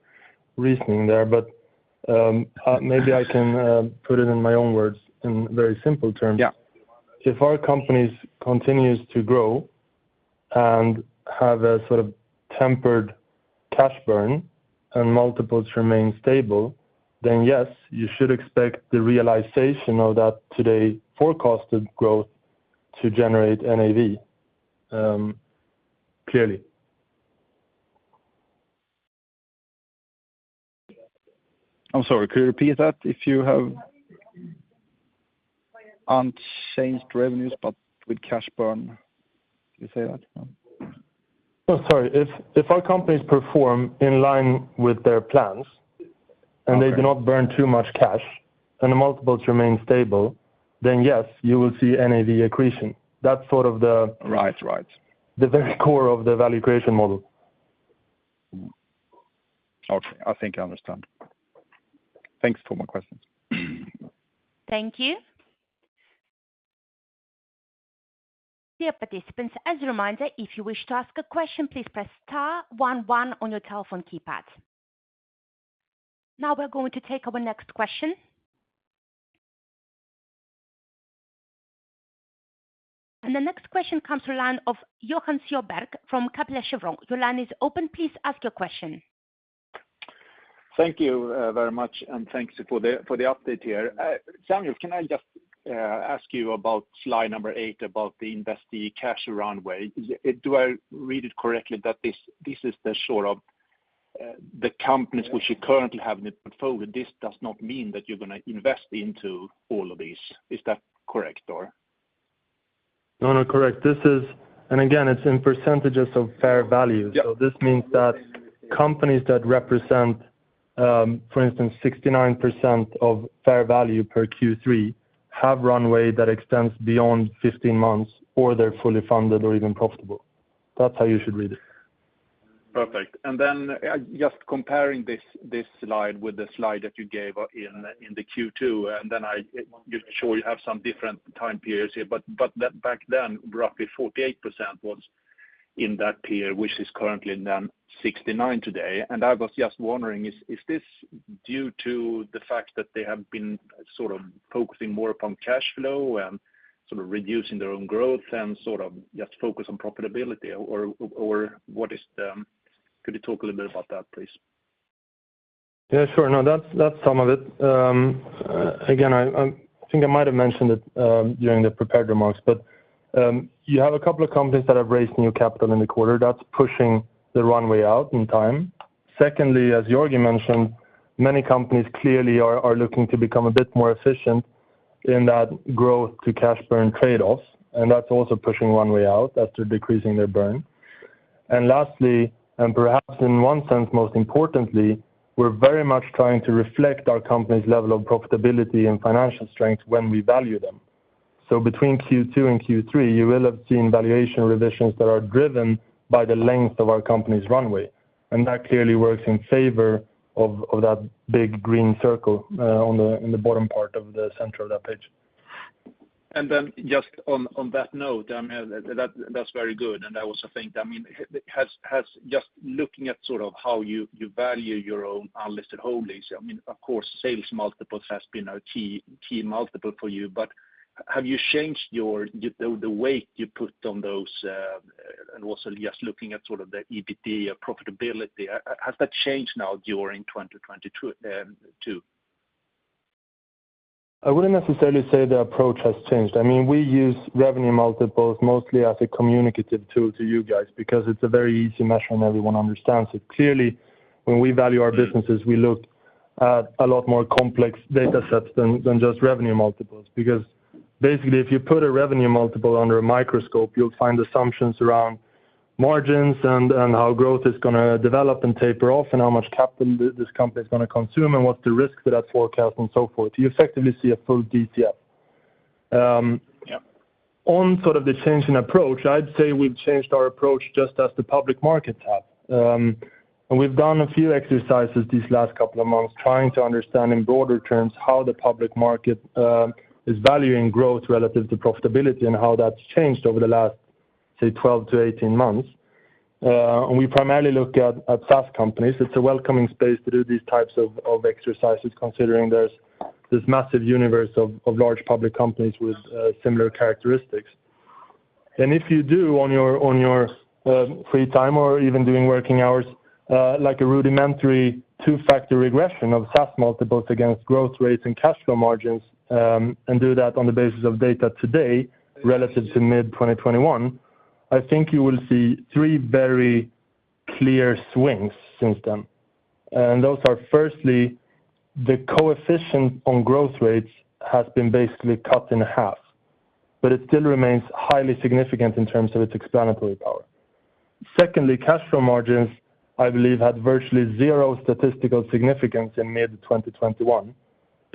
reasoning there, but maybe I can put it in my own words in very simple terms. Yeah. If our companies continues to grow and have a sort of tempered cash burn and multiples remain stable, then yes, you should expect the realization of that today forecasted growth to generate NAV clearly. I'm sorry, could you repeat that? If you have unchanged revenues, but with cash burn, did you say that? Oh, sorry. If our companies perform in line with their plans, and they do not burn too much cash, and the multiples remain stable, yes, you will see NAV accretion. That's sort of the Right. The very core of the value creation model. Okay. I think I understand. Thanks for my questions. Thank you. Dear participants, as a reminder, if you wish to ask a question, please press star 11 on your telephone keypad. Now we're going to take our next question. The next question comes from the line of Johan Sjöberg from Kepler Cheuvreux. Your line is open. Please ask your question. Thank you very much, and thanks for the update here. Samuel, can I just ask you about slide number eight, about the investee cash runway? Do I read it correctly that this is the sort of the companies which you currently have in the portfolio? This does not mean that you're gonna invest into all of these. Is that correct? No, correct. This is again, it's in percentages of fair value. Yeah. This means that companies that represent, for instance, 69% of fair value per Q3 have runway that extends beyond 15 months or they're fully funded or even profitable. That's how you should read it. Perfect. Then just comparing this slide with the slide that you gave in the Q2, and then just show you have some different time periods here, but back then, roughly 48% was in that tier, which is currently now 69% today. I was just wondering, is this due to the fact that they have been sort of focusing more upon cash flow and sort of reducing their own growth and sort of just focus on profitability or what is the. Could you talk a little bit about that, please? Yeah, sure. No, that's some of it. Again, I think I might have mentioned it during the prepared remarks, but you have a couple of companies that have raised new capital in the quarter that's pushing the runway out in time. Secondly, as Georgi mentioned, many companies clearly are looking to become a bit more efficient in that growth to cash burn trade-offs, and that's also pushing runway out after decreasing their burn. Lastly, and perhaps in one sense, most importantly, we're very much trying to reflect our company's level of profitability and financial strength when we value them. Between Q2 and Q3, you will have seen valuation revisions that are driven by the length of our company's runway. That clearly works in favor of that big green circle in the bottom part of the center of that page. Just on that note, I mean, that's very good. I also think, I mean, just looking at sort of how you value your own unlisted holdings, I mean, of course, sales multiples has been a key multiple for you. But have you changed the weight you put on those, and also just looking at sort of the EBITDA profitability, has that changed now during 2022 too? I wouldn't necessarily say the approach has changed. I mean, we use revenue multiples mostly as a communicative tool to you guys because it's a very easy measure and everyone understands it. Clearly, when we value our businesses, we look at a lot more complex data sets than just revenue multiples. Because basically, if you put a revenue multiple under a microscope, you'll find assumptions around margins and how growth is gonna develop and taper off and how much capital this company is gonna consume and what the risks of that forecast and so forth. You effectively see a full DCF. On sort of the change in approach, I'd say we've changed our approach just as the public markets have. We've done a few exercises these last couple of months trying to understand in broader terms how the public market is valuing growth relative to profitability and how that's changed over the last, say, 12-18 months. We primarily look at SaaS companies. It's a welcoming space to do these types of exercises, considering there's this massive universe of large public companies with similar characteristics. If you do on your free time or even during working hours, like a rudimentary two-factor regression of SaaS multiples against growth rates and cash flow margins, and do that on the basis of data today relative to mid-2021, I think you will see three very clear swings since then. Those are firstly, the coefficient on growth rates has been basically cut in half, but it still remains highly significant in terms of its explanatory power. Secondly, cash flow margins, I believe, had virtually zero statistical significance in mid-2021,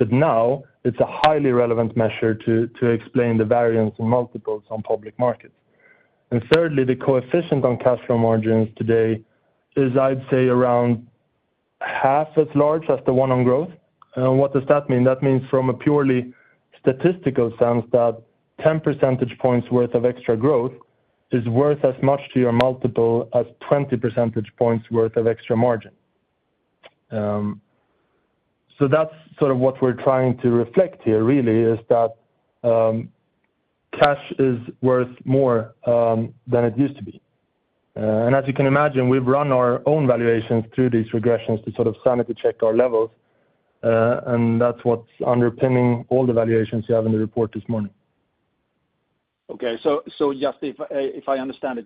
but now it's a highly relevant measure to explain the variance in multiples on public markets. Thirdly, the coefficient on cash flow margins today is, I'd say, around half as large as the one on growth. What does that mean? That means from a purely statistical sense that 10 percentage points worth of extra growth is worth as much to your multiple as 20 percentage points worth of extra margin. So that's sort of what we're trying to reflect here really is that cash is worth more than it used to be. As you can imagine, we've run our own valuations through these regressions to sort of sanity check our levels, and that's what's underpinning all the valuations you have in the report this morning. Okay. Just if I understand it,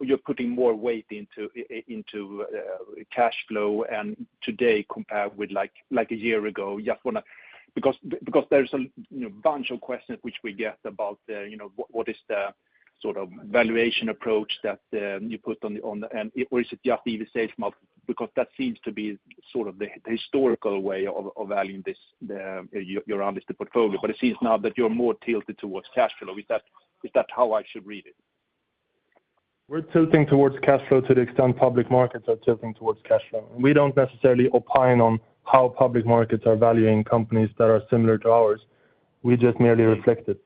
you're putting more weight into cash flow and DCF today compared with like a year ago. Because there's, you know, a bunch of questions which we get about, you know, what is the sort of valuation approach that you put on them? Or is it just EV sales model? Because that seems to be sort of the historical way of valuing your investee portfolio. It seems now that you're more tilted towards cash flow. Is that how I should read it? We're tilting towards cash flow to the extent public markets are tilting towards cash flow. We don't necessarily opine on how public markets are valuing companies that are similar to ours. We just merely reflect it.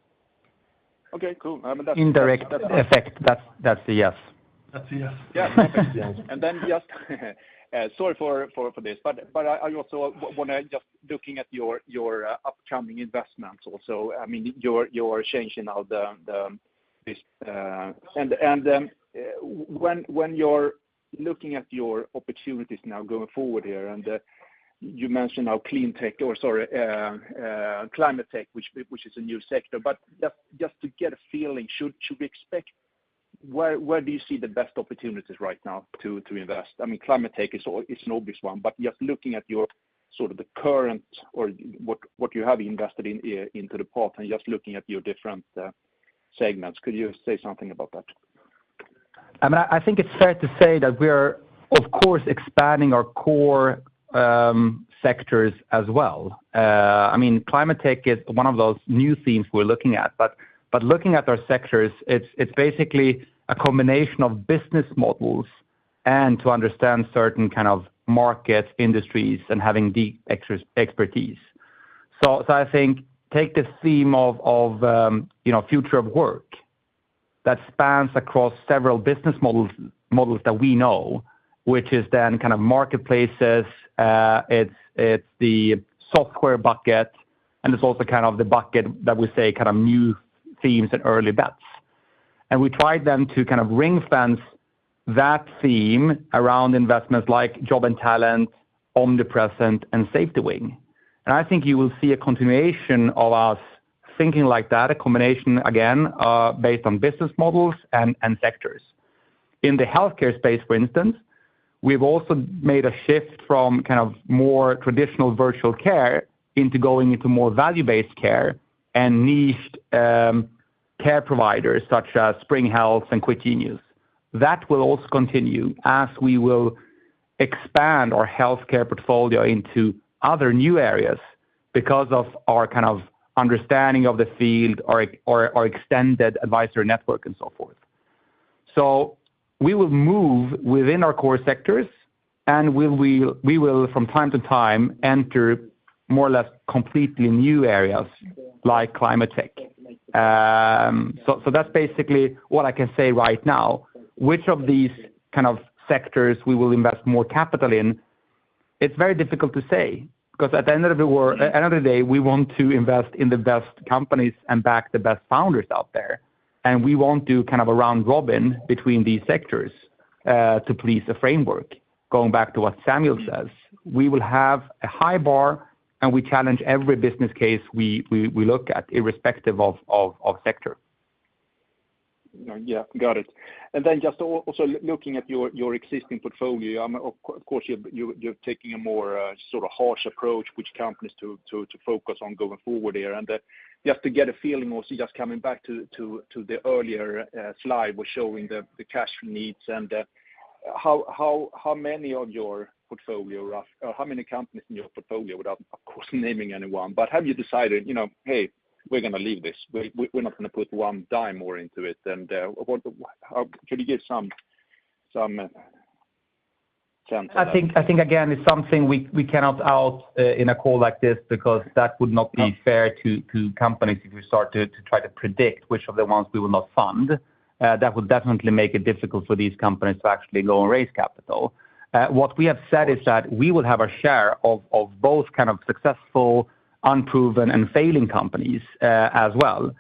Okay, cool. I mean, that's. Indirect effect, that's a yes. That's a yes. Yeah. Okay. Just sorry for this, but I also wanna just looking at your upcoming investments also. I mean, you're changing now the thesis. When you're looking at your opportunities now going forward here, you mentioned how clean tech or, sorry, climate tech, which is a new sector. Just to get a feeling, should we expect? Where do you see the best opportunities right now to invest? I mean, climate tech is an obvious one, but just looking at your sort of the current or what you have invested in into the portfolio and just looking at your different segments. Could you say something about that? I mean, I think it's fair to say that we are, of course, expanding our core sectors as well. I mean, climate tech is one of those new themes we're looking at. Looking at our sectors, it's basically a combination of business models and to understand certain kind of market industries and having deep expertise. I think take the theme of you know, future of work that spans across several business models that we know, which is then kind of marketplaces. It's the software bucket, and it's also kind of the bucket that we say kind of new themes and early bets. We tried then to kind of ring-fence that theme around investments like Jobandtalent, Omnipresent, and SafetyWing. I think you will see a continuation of us thinking like that, a combination again, based on business models and sectors. In the healthcare space, for instance, we've also made a shift from kind of more traditional virtual care into going into more value-based care and niched care providers such as Spring Health and Quit Genius. That will also continue as we will expand our healthcare portfolio into other new areas because of our kind of understanding of the field or our extended advisor network and so forth. We will move within our core sectors, and we will from time to time enter more or less completely new areas like climate tech. That's basically what I can say right now. Which of these kind of sectors we will invest more capital in, it's very difficult to say because at the end of the day, we want to invest in the best companies and back the best founders out there. We won't do kind of a round robin between these sectors, to please the framework, going back to what Samuel says. We will have a high bar, and we challenge every business case we look at irrespective of sector. Yeah. Got it. Just also looking at your existing portfolio, of course, you're taking a more sort of harsh approach which companies to focus on going forward here. Just to get a feeling also just coming back to the earlier slide was showing the cash needs and how many of your portfolio or how many companies in your portfolio without of course naming anyone, but have you decided, you know, Hey, we're gonna leave this. We're not gonna put one dime more into it? Could you give some sense? I think again, it's something we cannot put out in a call like this because that would not be fair to companies if we start to try to predict which of the ones we will not fund. That would definitely make it difficult for these companies to actually go and raise capital. What we have said is that we will have our share of both kind of successful, unproven, and failing companies, as well.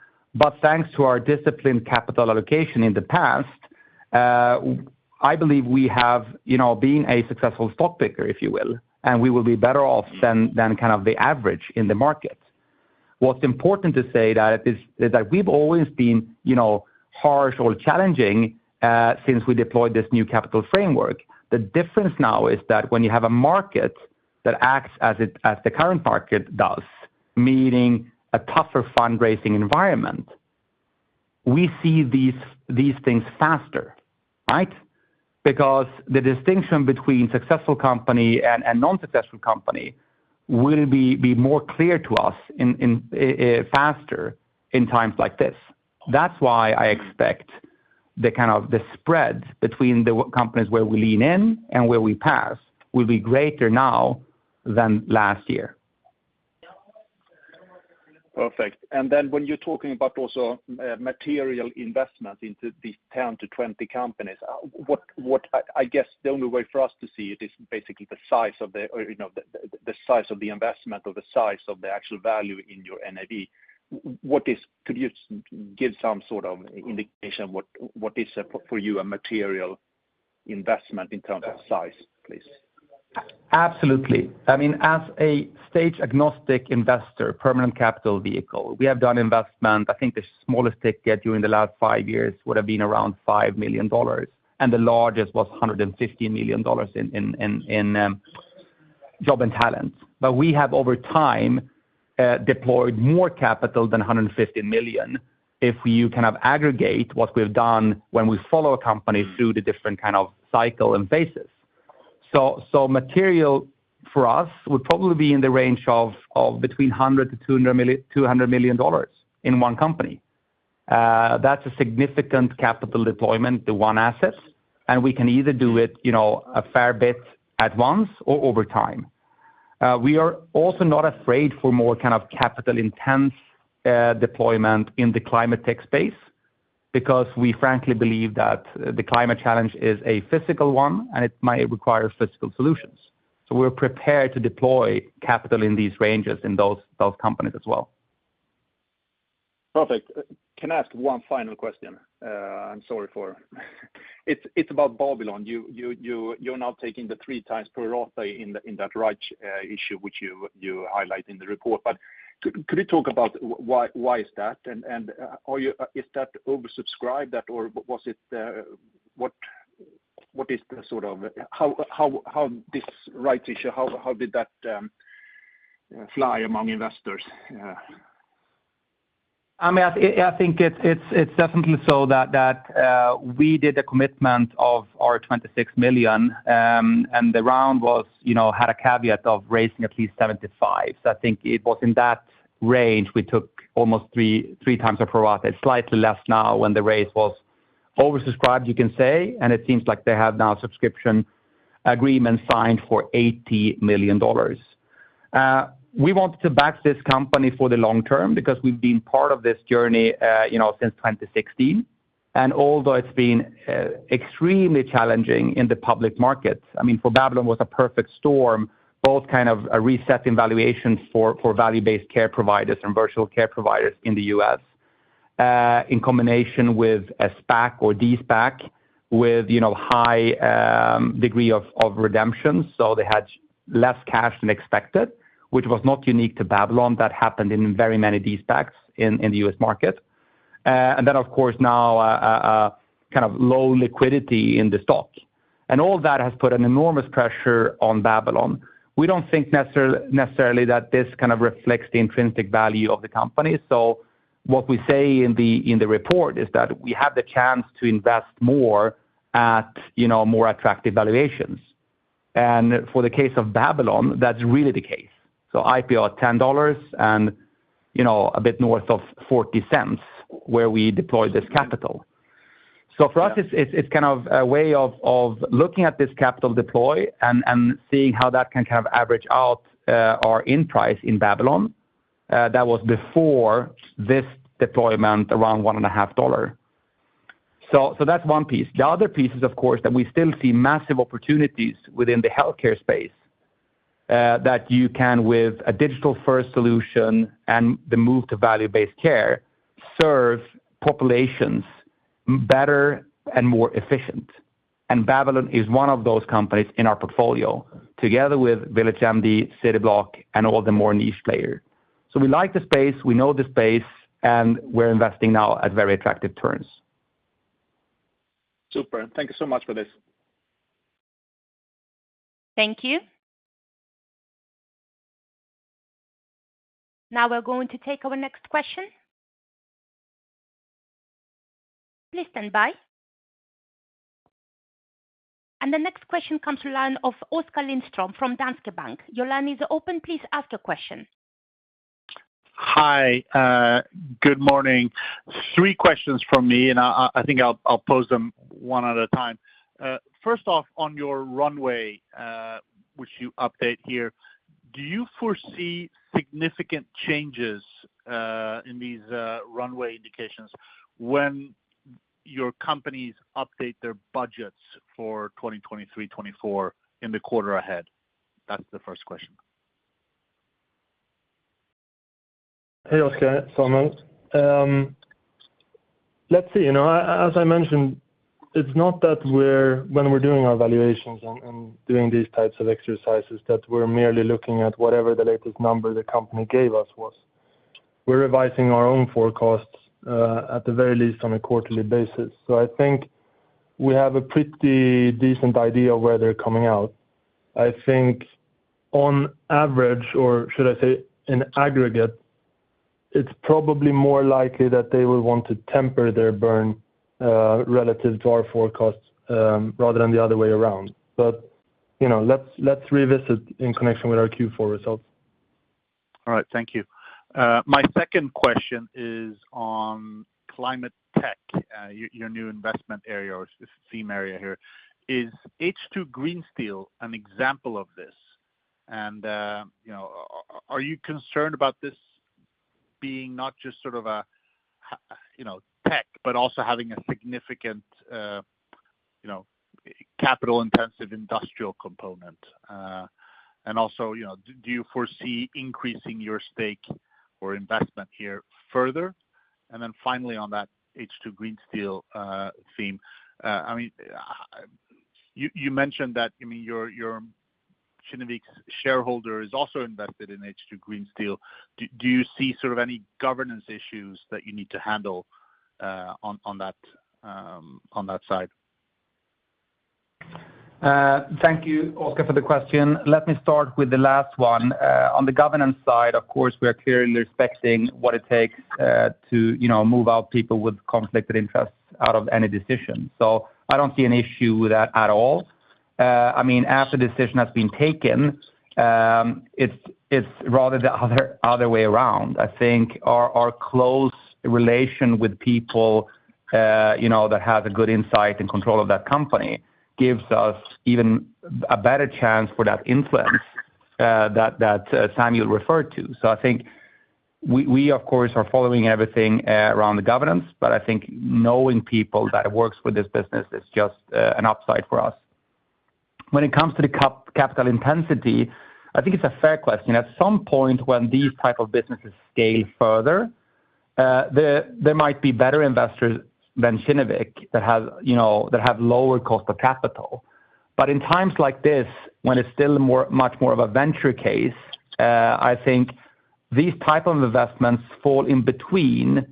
Thanks to our disciplined capital allocation in the past, I believe we have, you know, been a successful stock picker, if you will, and we will be better off than kind of the average in the market. What's important to say that is that we've always been, you know, harsh or challenging, since we deployed this new capital framework. The difference now is that when you have a market that acts as it, as the current market does, meaning a tougher fundraising environment, we see these things faster, right? Because the distinction between successful company and a non-successful company will be more clear to us in faster times like this. That's why I expect the kind of spread between companies where we lean in and where we pass will be greater now than last year. Perfect. When you're talking about also material investment into these 10-20 companies, what, I guess the only way for us to see it is basically the size of, or you know, the size of the investment or the size of the actual value in your NAV. Could you give some sort of indication what is a, for you, a material investment in terms of size, please? Absolutely. I mean, as a stage-agnostic investor, permanent capital vehicle, we have done investment. I think the smallest ticket during the last 5 years would have been around $5 million, and the largest was $150 million in JobandTalent. We have over time deployed more capital than $115 million. If you kind of aggregate what we've done when we follow a company through the different kind of cycle and phases. Material for us would probably be in the range of between $100-$200 million in one company. That's a significant capital deployment to one asset, and we can either do it, you know, a fair bit at once or over time. We are also not afraid of more kind of capital-intensive deployment in the climate tech space because we frankly believe that the climate challenge is a physical one, and it might require physical solutions. We're prepared to deploy capital in these ranges in those companies as well. Perfect. Can I ask one final question? It's about Babylon. You're now taking the three times per quarter in that rights issue which you highlight in the report. Could you talk about why is that? Is that oversubscribed or was it what is the sort of how this rights issue how did that fly among investors? I mean, I think it's definitely so that we did a commitment of our $26 million, and the round was, you know, had a caveat of raising at least $75. I think it was in that range we took almost 3 times of pro rata, slightly less now when the raise was oversubscribed, you can say, and it seems like they have now subscription agreement signed for $80 million. We want to back this company for the long term because we've been part of this journey, you know, since 2016. Although it's been extremely challenging in the public markets, I mean, for Babylon was a perfect storm, both kind of a reset in valuations for value-based care providers and virtual care providers in the U.S., in combination with a SPAC or De-SPAC with, you know, high degree of redemption. They had less cash than expected, which was not unique to Babylon. That happened in very many De-SPACs in the U.S. market. Then of course now a kind of low liquidity in the stock. All that has put an enormous pressure on Babylon. We don't think necessarily that this kind of reflects the intrinsic value of the company. What we say in the report is that we have the chance to invest more at, you know, more attractive valuations. For the case of Babylon, that's really the case. IPO at $10 and, you know, a bit north of $0.40 where we deployed this capital. For us, it's kind of a way of looking at this capital deploy and seeing how that can kind of average out our entry price in Babylon. That was before this deployment around $1.50. That's one piece. The other piece is, of course, that we still see massive opportunities within the healthcare space that you can with a digital-first solution and the move to value-based care, serve populations better and more efficient. Babylon is one of those companies in our portfolio, together with VillageMD, Cityblock, and a lot more niche players. We like the space, we know the space, and we're investing now at very attractive terms. Super. Thank you so much for this. Thank you. Now we're going to take our next question. Please stand by. The next question comes to line of Oskar Lindström from Danske Bank. Your line is open. Please ask your question. Hi. Good morning. Three questions from me, and I think I'll pose them one at a time. First off, on your runway, which you update here, do you foresee significant changes in these runway indications when your companies update their budgets for 2023, 2024 in the quarter ahead? That's the first question. Hey, Oskar Lindström. It's Samuel Sjöström. Let's see. You know, as I mentioned, it's not that when we're doing our valuations and doing these types of exercises, that we're merely looking at whatever the latest number the company gave us was. We're revising our own forecasts at the very least on a quarterly basis. I think we have a pretty decent idea of where they're coming out. I think on average, or should I say in aggregate, it's probably more likely that they will want to temper their burn relative to our forecasts rather than the other way around. You know, let's revisit in connection with our Q4 results. All right. Thank you. My second question is on climate tech, your new investment area or sub-theme area here. Is H2 Green Steel an example of this? And, you know, are you concerned about this being not just sort of a, you know, tech, but also having a significant, you know, capital intensive industrial component? And also, you know, do you foresee increasing your stake or investment here further? And then finally on that H2 Green Steel theme, I mean, you mentioned that, I mean, your Kinnevik shareholder is also invested in H2 Green Steel. Do you see sort of any governance issues that you need to handle, on that side? Thank you, Oskar, for the question. Let me start with the last one. On the governance side, of course, we are clearly respecting what it takes, you know, to move out people with conflicted interests out of any decision. I don't see an issue with that at all. I mean, after the decision has been taken, it's rather the other way around. I think our close relation with people, you know, that have a good insight and control of that company gives us even a better chance for that influence that Samuel referred to. I think we, of course, are following everything around the governance, but I think knowing people that works with this business is just an upside for us. When it comes to the capital intensity, I think it's a fair question. At some point when these type of businesses scale further, there might be better investors than Kinnevik that have, you know, that have lower cost of capital. In times like this, when it's still much more of a venture case, I think these type of investments fall in between,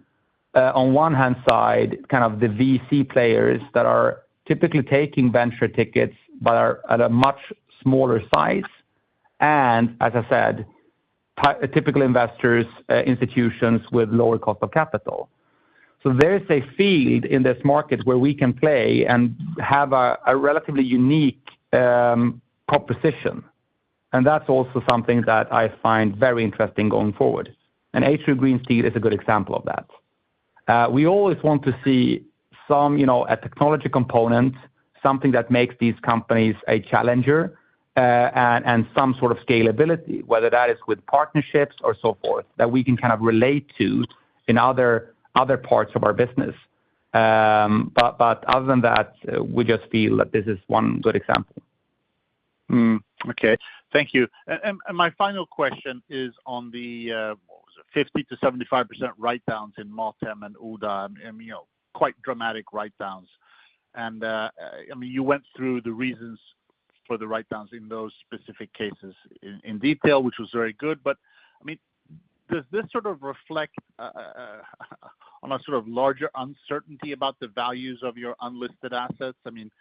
on one hand side, kind of the VC players that are typically taking venture tickets but are at a much smaller size. As I said, typical investors, institutions with lower cost of capital. There is a field in this market where we can play and have a relatively unique proposition. That's also something that I find very interesting going forward. H2 Green Steel is a good example of that. We always want to see some, you know, a technology component, something that makes these companies a challenger, and some sort of scalability, whether that is with partnerships or so forth, that we can kind of relate to in other parts of our business. Other than that, we just feel that this is one good example. Okay. Thank you. My final question is on the 50%-75% write-downs in MatHem and Oda. I mean, you know, quite dramatic write-downs. I mean, you went through the reasons for the write-downs in those specific cases in detail, which was very good. I mean, does this sort of reflect on a sort of larger uncertainty about the values of your unlisted assets? I mean,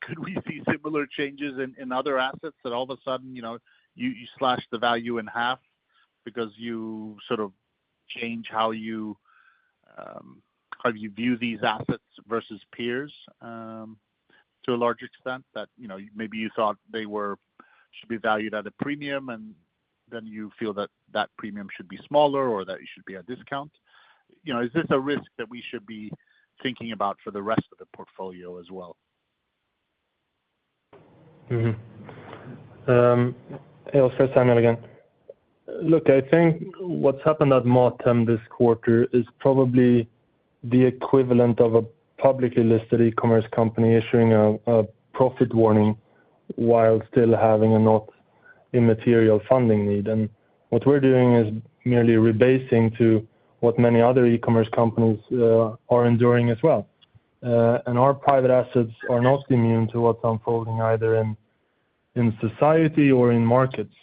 could we see similar changes in other assets that all of a sudden, you know, you slash the value in half because you sort of change how you view these assets versus peers to a large extent that, you know, maybe you thought they were. Should be valued at a premium, and then you feel that premium should be smaller or that it should be a discount? You know, is this a risk that we should be thinking about for the rest of the portfolio as well? Mm-hmm. Hey, Oskar. Samuel Sjöström again. Look, I think what's happened at MatHem this quarter is probably the equivalent of a publicly listed e-commerce company issuing a profit warning while still having a not immaterial funding need. What we're doing is merely rebasing to what many other e-commerce companies are enduring as well. Our private assets are not immune to what's unfolding either in society or in markets.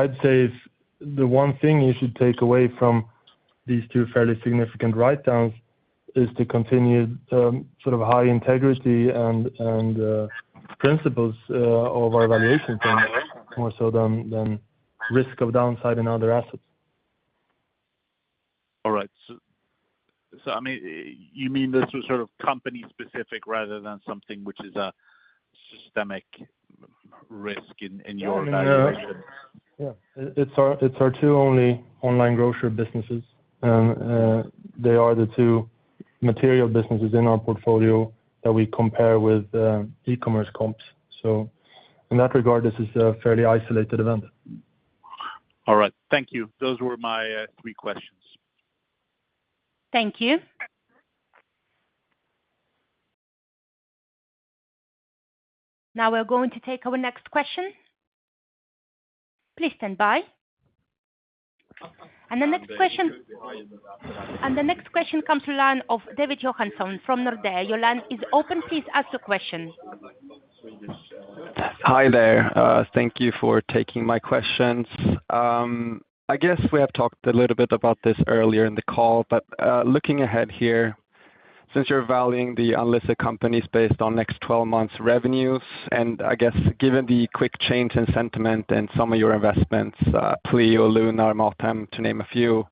I'd say if the one thing you should take away from these two fairly significant write-downs is the continued sort of high integrity and principles of our valuation more so than risk of downside in other assets. All right. I mean, you mean this was sort of company specific rather than something which is a systemic risk in your valuation? Yeah. It's our two only online grocery businesses. They are the two material businesses in our portfolio that we compare with e-commerce comps. In that regard, this is a fairly isolated event. All right. Thank you. Those were my three questions. Thank you. Now we're going to take our next question. Please stand by. The next question comes to line of David Johansson from Nordea. Your line is open. Please ask your question. Hi there. Thank you for taking my questions. I guess we have talked a little bit about this earlier in the call, but looking ahead here, since you're valuing the unlisted companies based on next twelve months revenues, and I guess given the quick change in sentiment in some of your investments, Pleo, Lunar, MatHem, to name a few,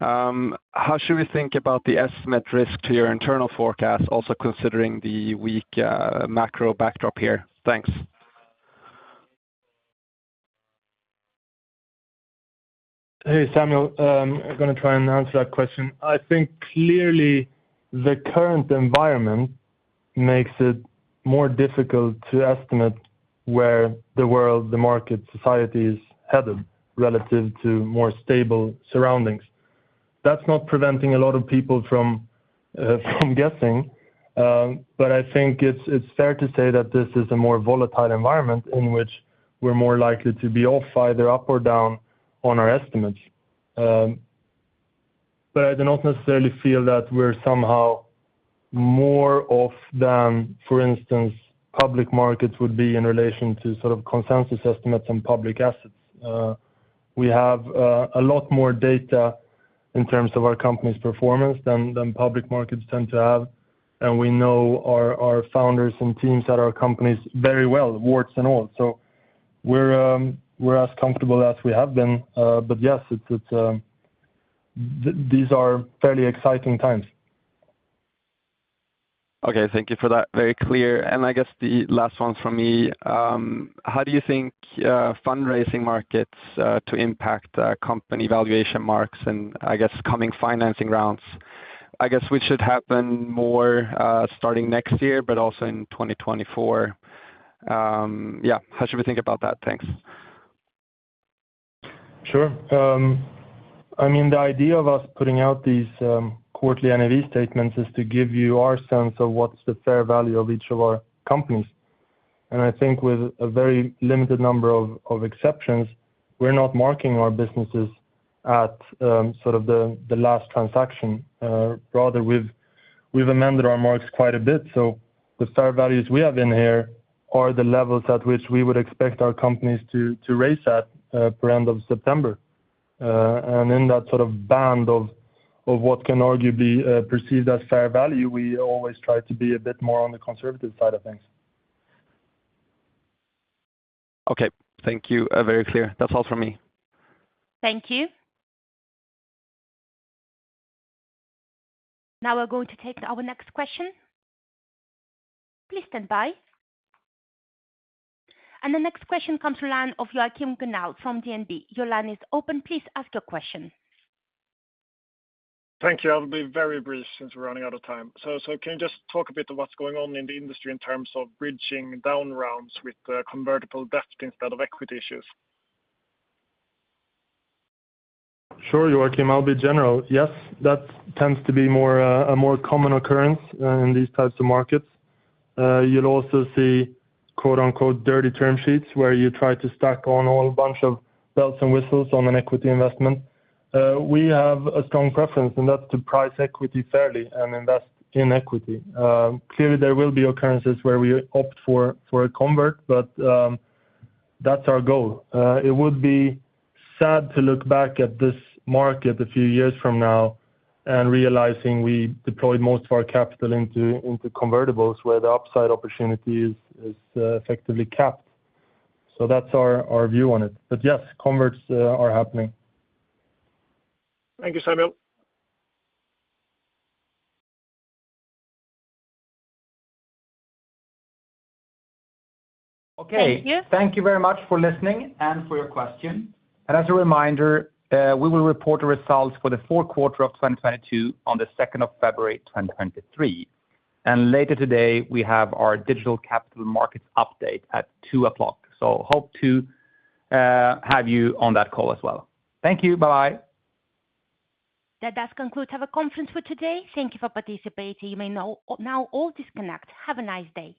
how should we think about the estimate risk to your internal forecast also considering the weak macro backdrop here? Thanks. Hey, Samuel. I'm gonna try and answer that question. I think clearly the current environment makes it more difficult to estimate where the world, the market, society is headed relative to more stable surroundings. That's not preventing a lot of people from guessing, but I think it's fair to say that this is a more volatile environment in which we're more likely to be off either up or down on our estimates. I do not necessarily feel that we're somehow more off on them, for instance, public markets would be in relation to sort of consensus estimates and public assets. We have a lot more data in terms of our company's performance than public markets tend to have. We know our founders and teams at our companies very well, warts and all. We're as comfortable as we have been. Yes, these are fairly exciting times. Okay, thank you for that. Very clear. I guess the last one from me, how do you think fundraising markets to impact company valuation marks and I guess coming financing rounds? I guess which should happen more starting next year, but also in 2024. Yeah, how should we think about that? Thanks. Sure. I mean, the idea of us putting out these quarterly NAV statements is to give you our sense of what's the fair value of each of our companies. I think with a very limited number of exceptions, we're not marking our businesses at sort of the last transaction. Rather we've amended our marks quite a bit. The fair values we have in here are the levels at which we would expect our companies to raise at per end of September. In that sort of band of what can arguably be perceived as fair value, we always try to be a bit more on the conservative side of things. Okay. Thank you. Very clear. That's all from me. Thank you. Now we're going to take our next question. Please stand by. The next question comes to line of Joachim Gunell from DNB. Your line is open. Please ask your question. Thank you. I'll be very brief since we're running out of time. Can you just talk a bit of what's going on in the industry in terms of bridging down rounds with convertible debt instead of equity issues? Sure, Joachim. I'll be general. Yes, that tends to be a more common occurrence in these types of markets. You'll also see quote-unquote, "dirty term sheets" where you try to stack on a whole bunch of bells and whistles on an equity investment. We have a strong preference, and that's to price equity fairly and invest in equity. Clearly there will be occurrences where we opt for a convert, but that's our goal. It would be sad to look back at this market a few years from now and realizing we deployed most of our capital into convertibles where the upside opportunity is effectively capped. That's our view on it. Yes, converts are happening. Thank you, Samuel. Thank you. Okay. Thank you very much for listening and for your question. As a reminder, we will report the results for the fourth quarter of 2022 on the second of February 2023. Later today, we have our digital capital markets update at 2:00 P.M. Hope to have you on that call as well. Thank you. Bye. That does conclude our conference for today. Thank you for participating. You may now all disconnect. Have a nice day.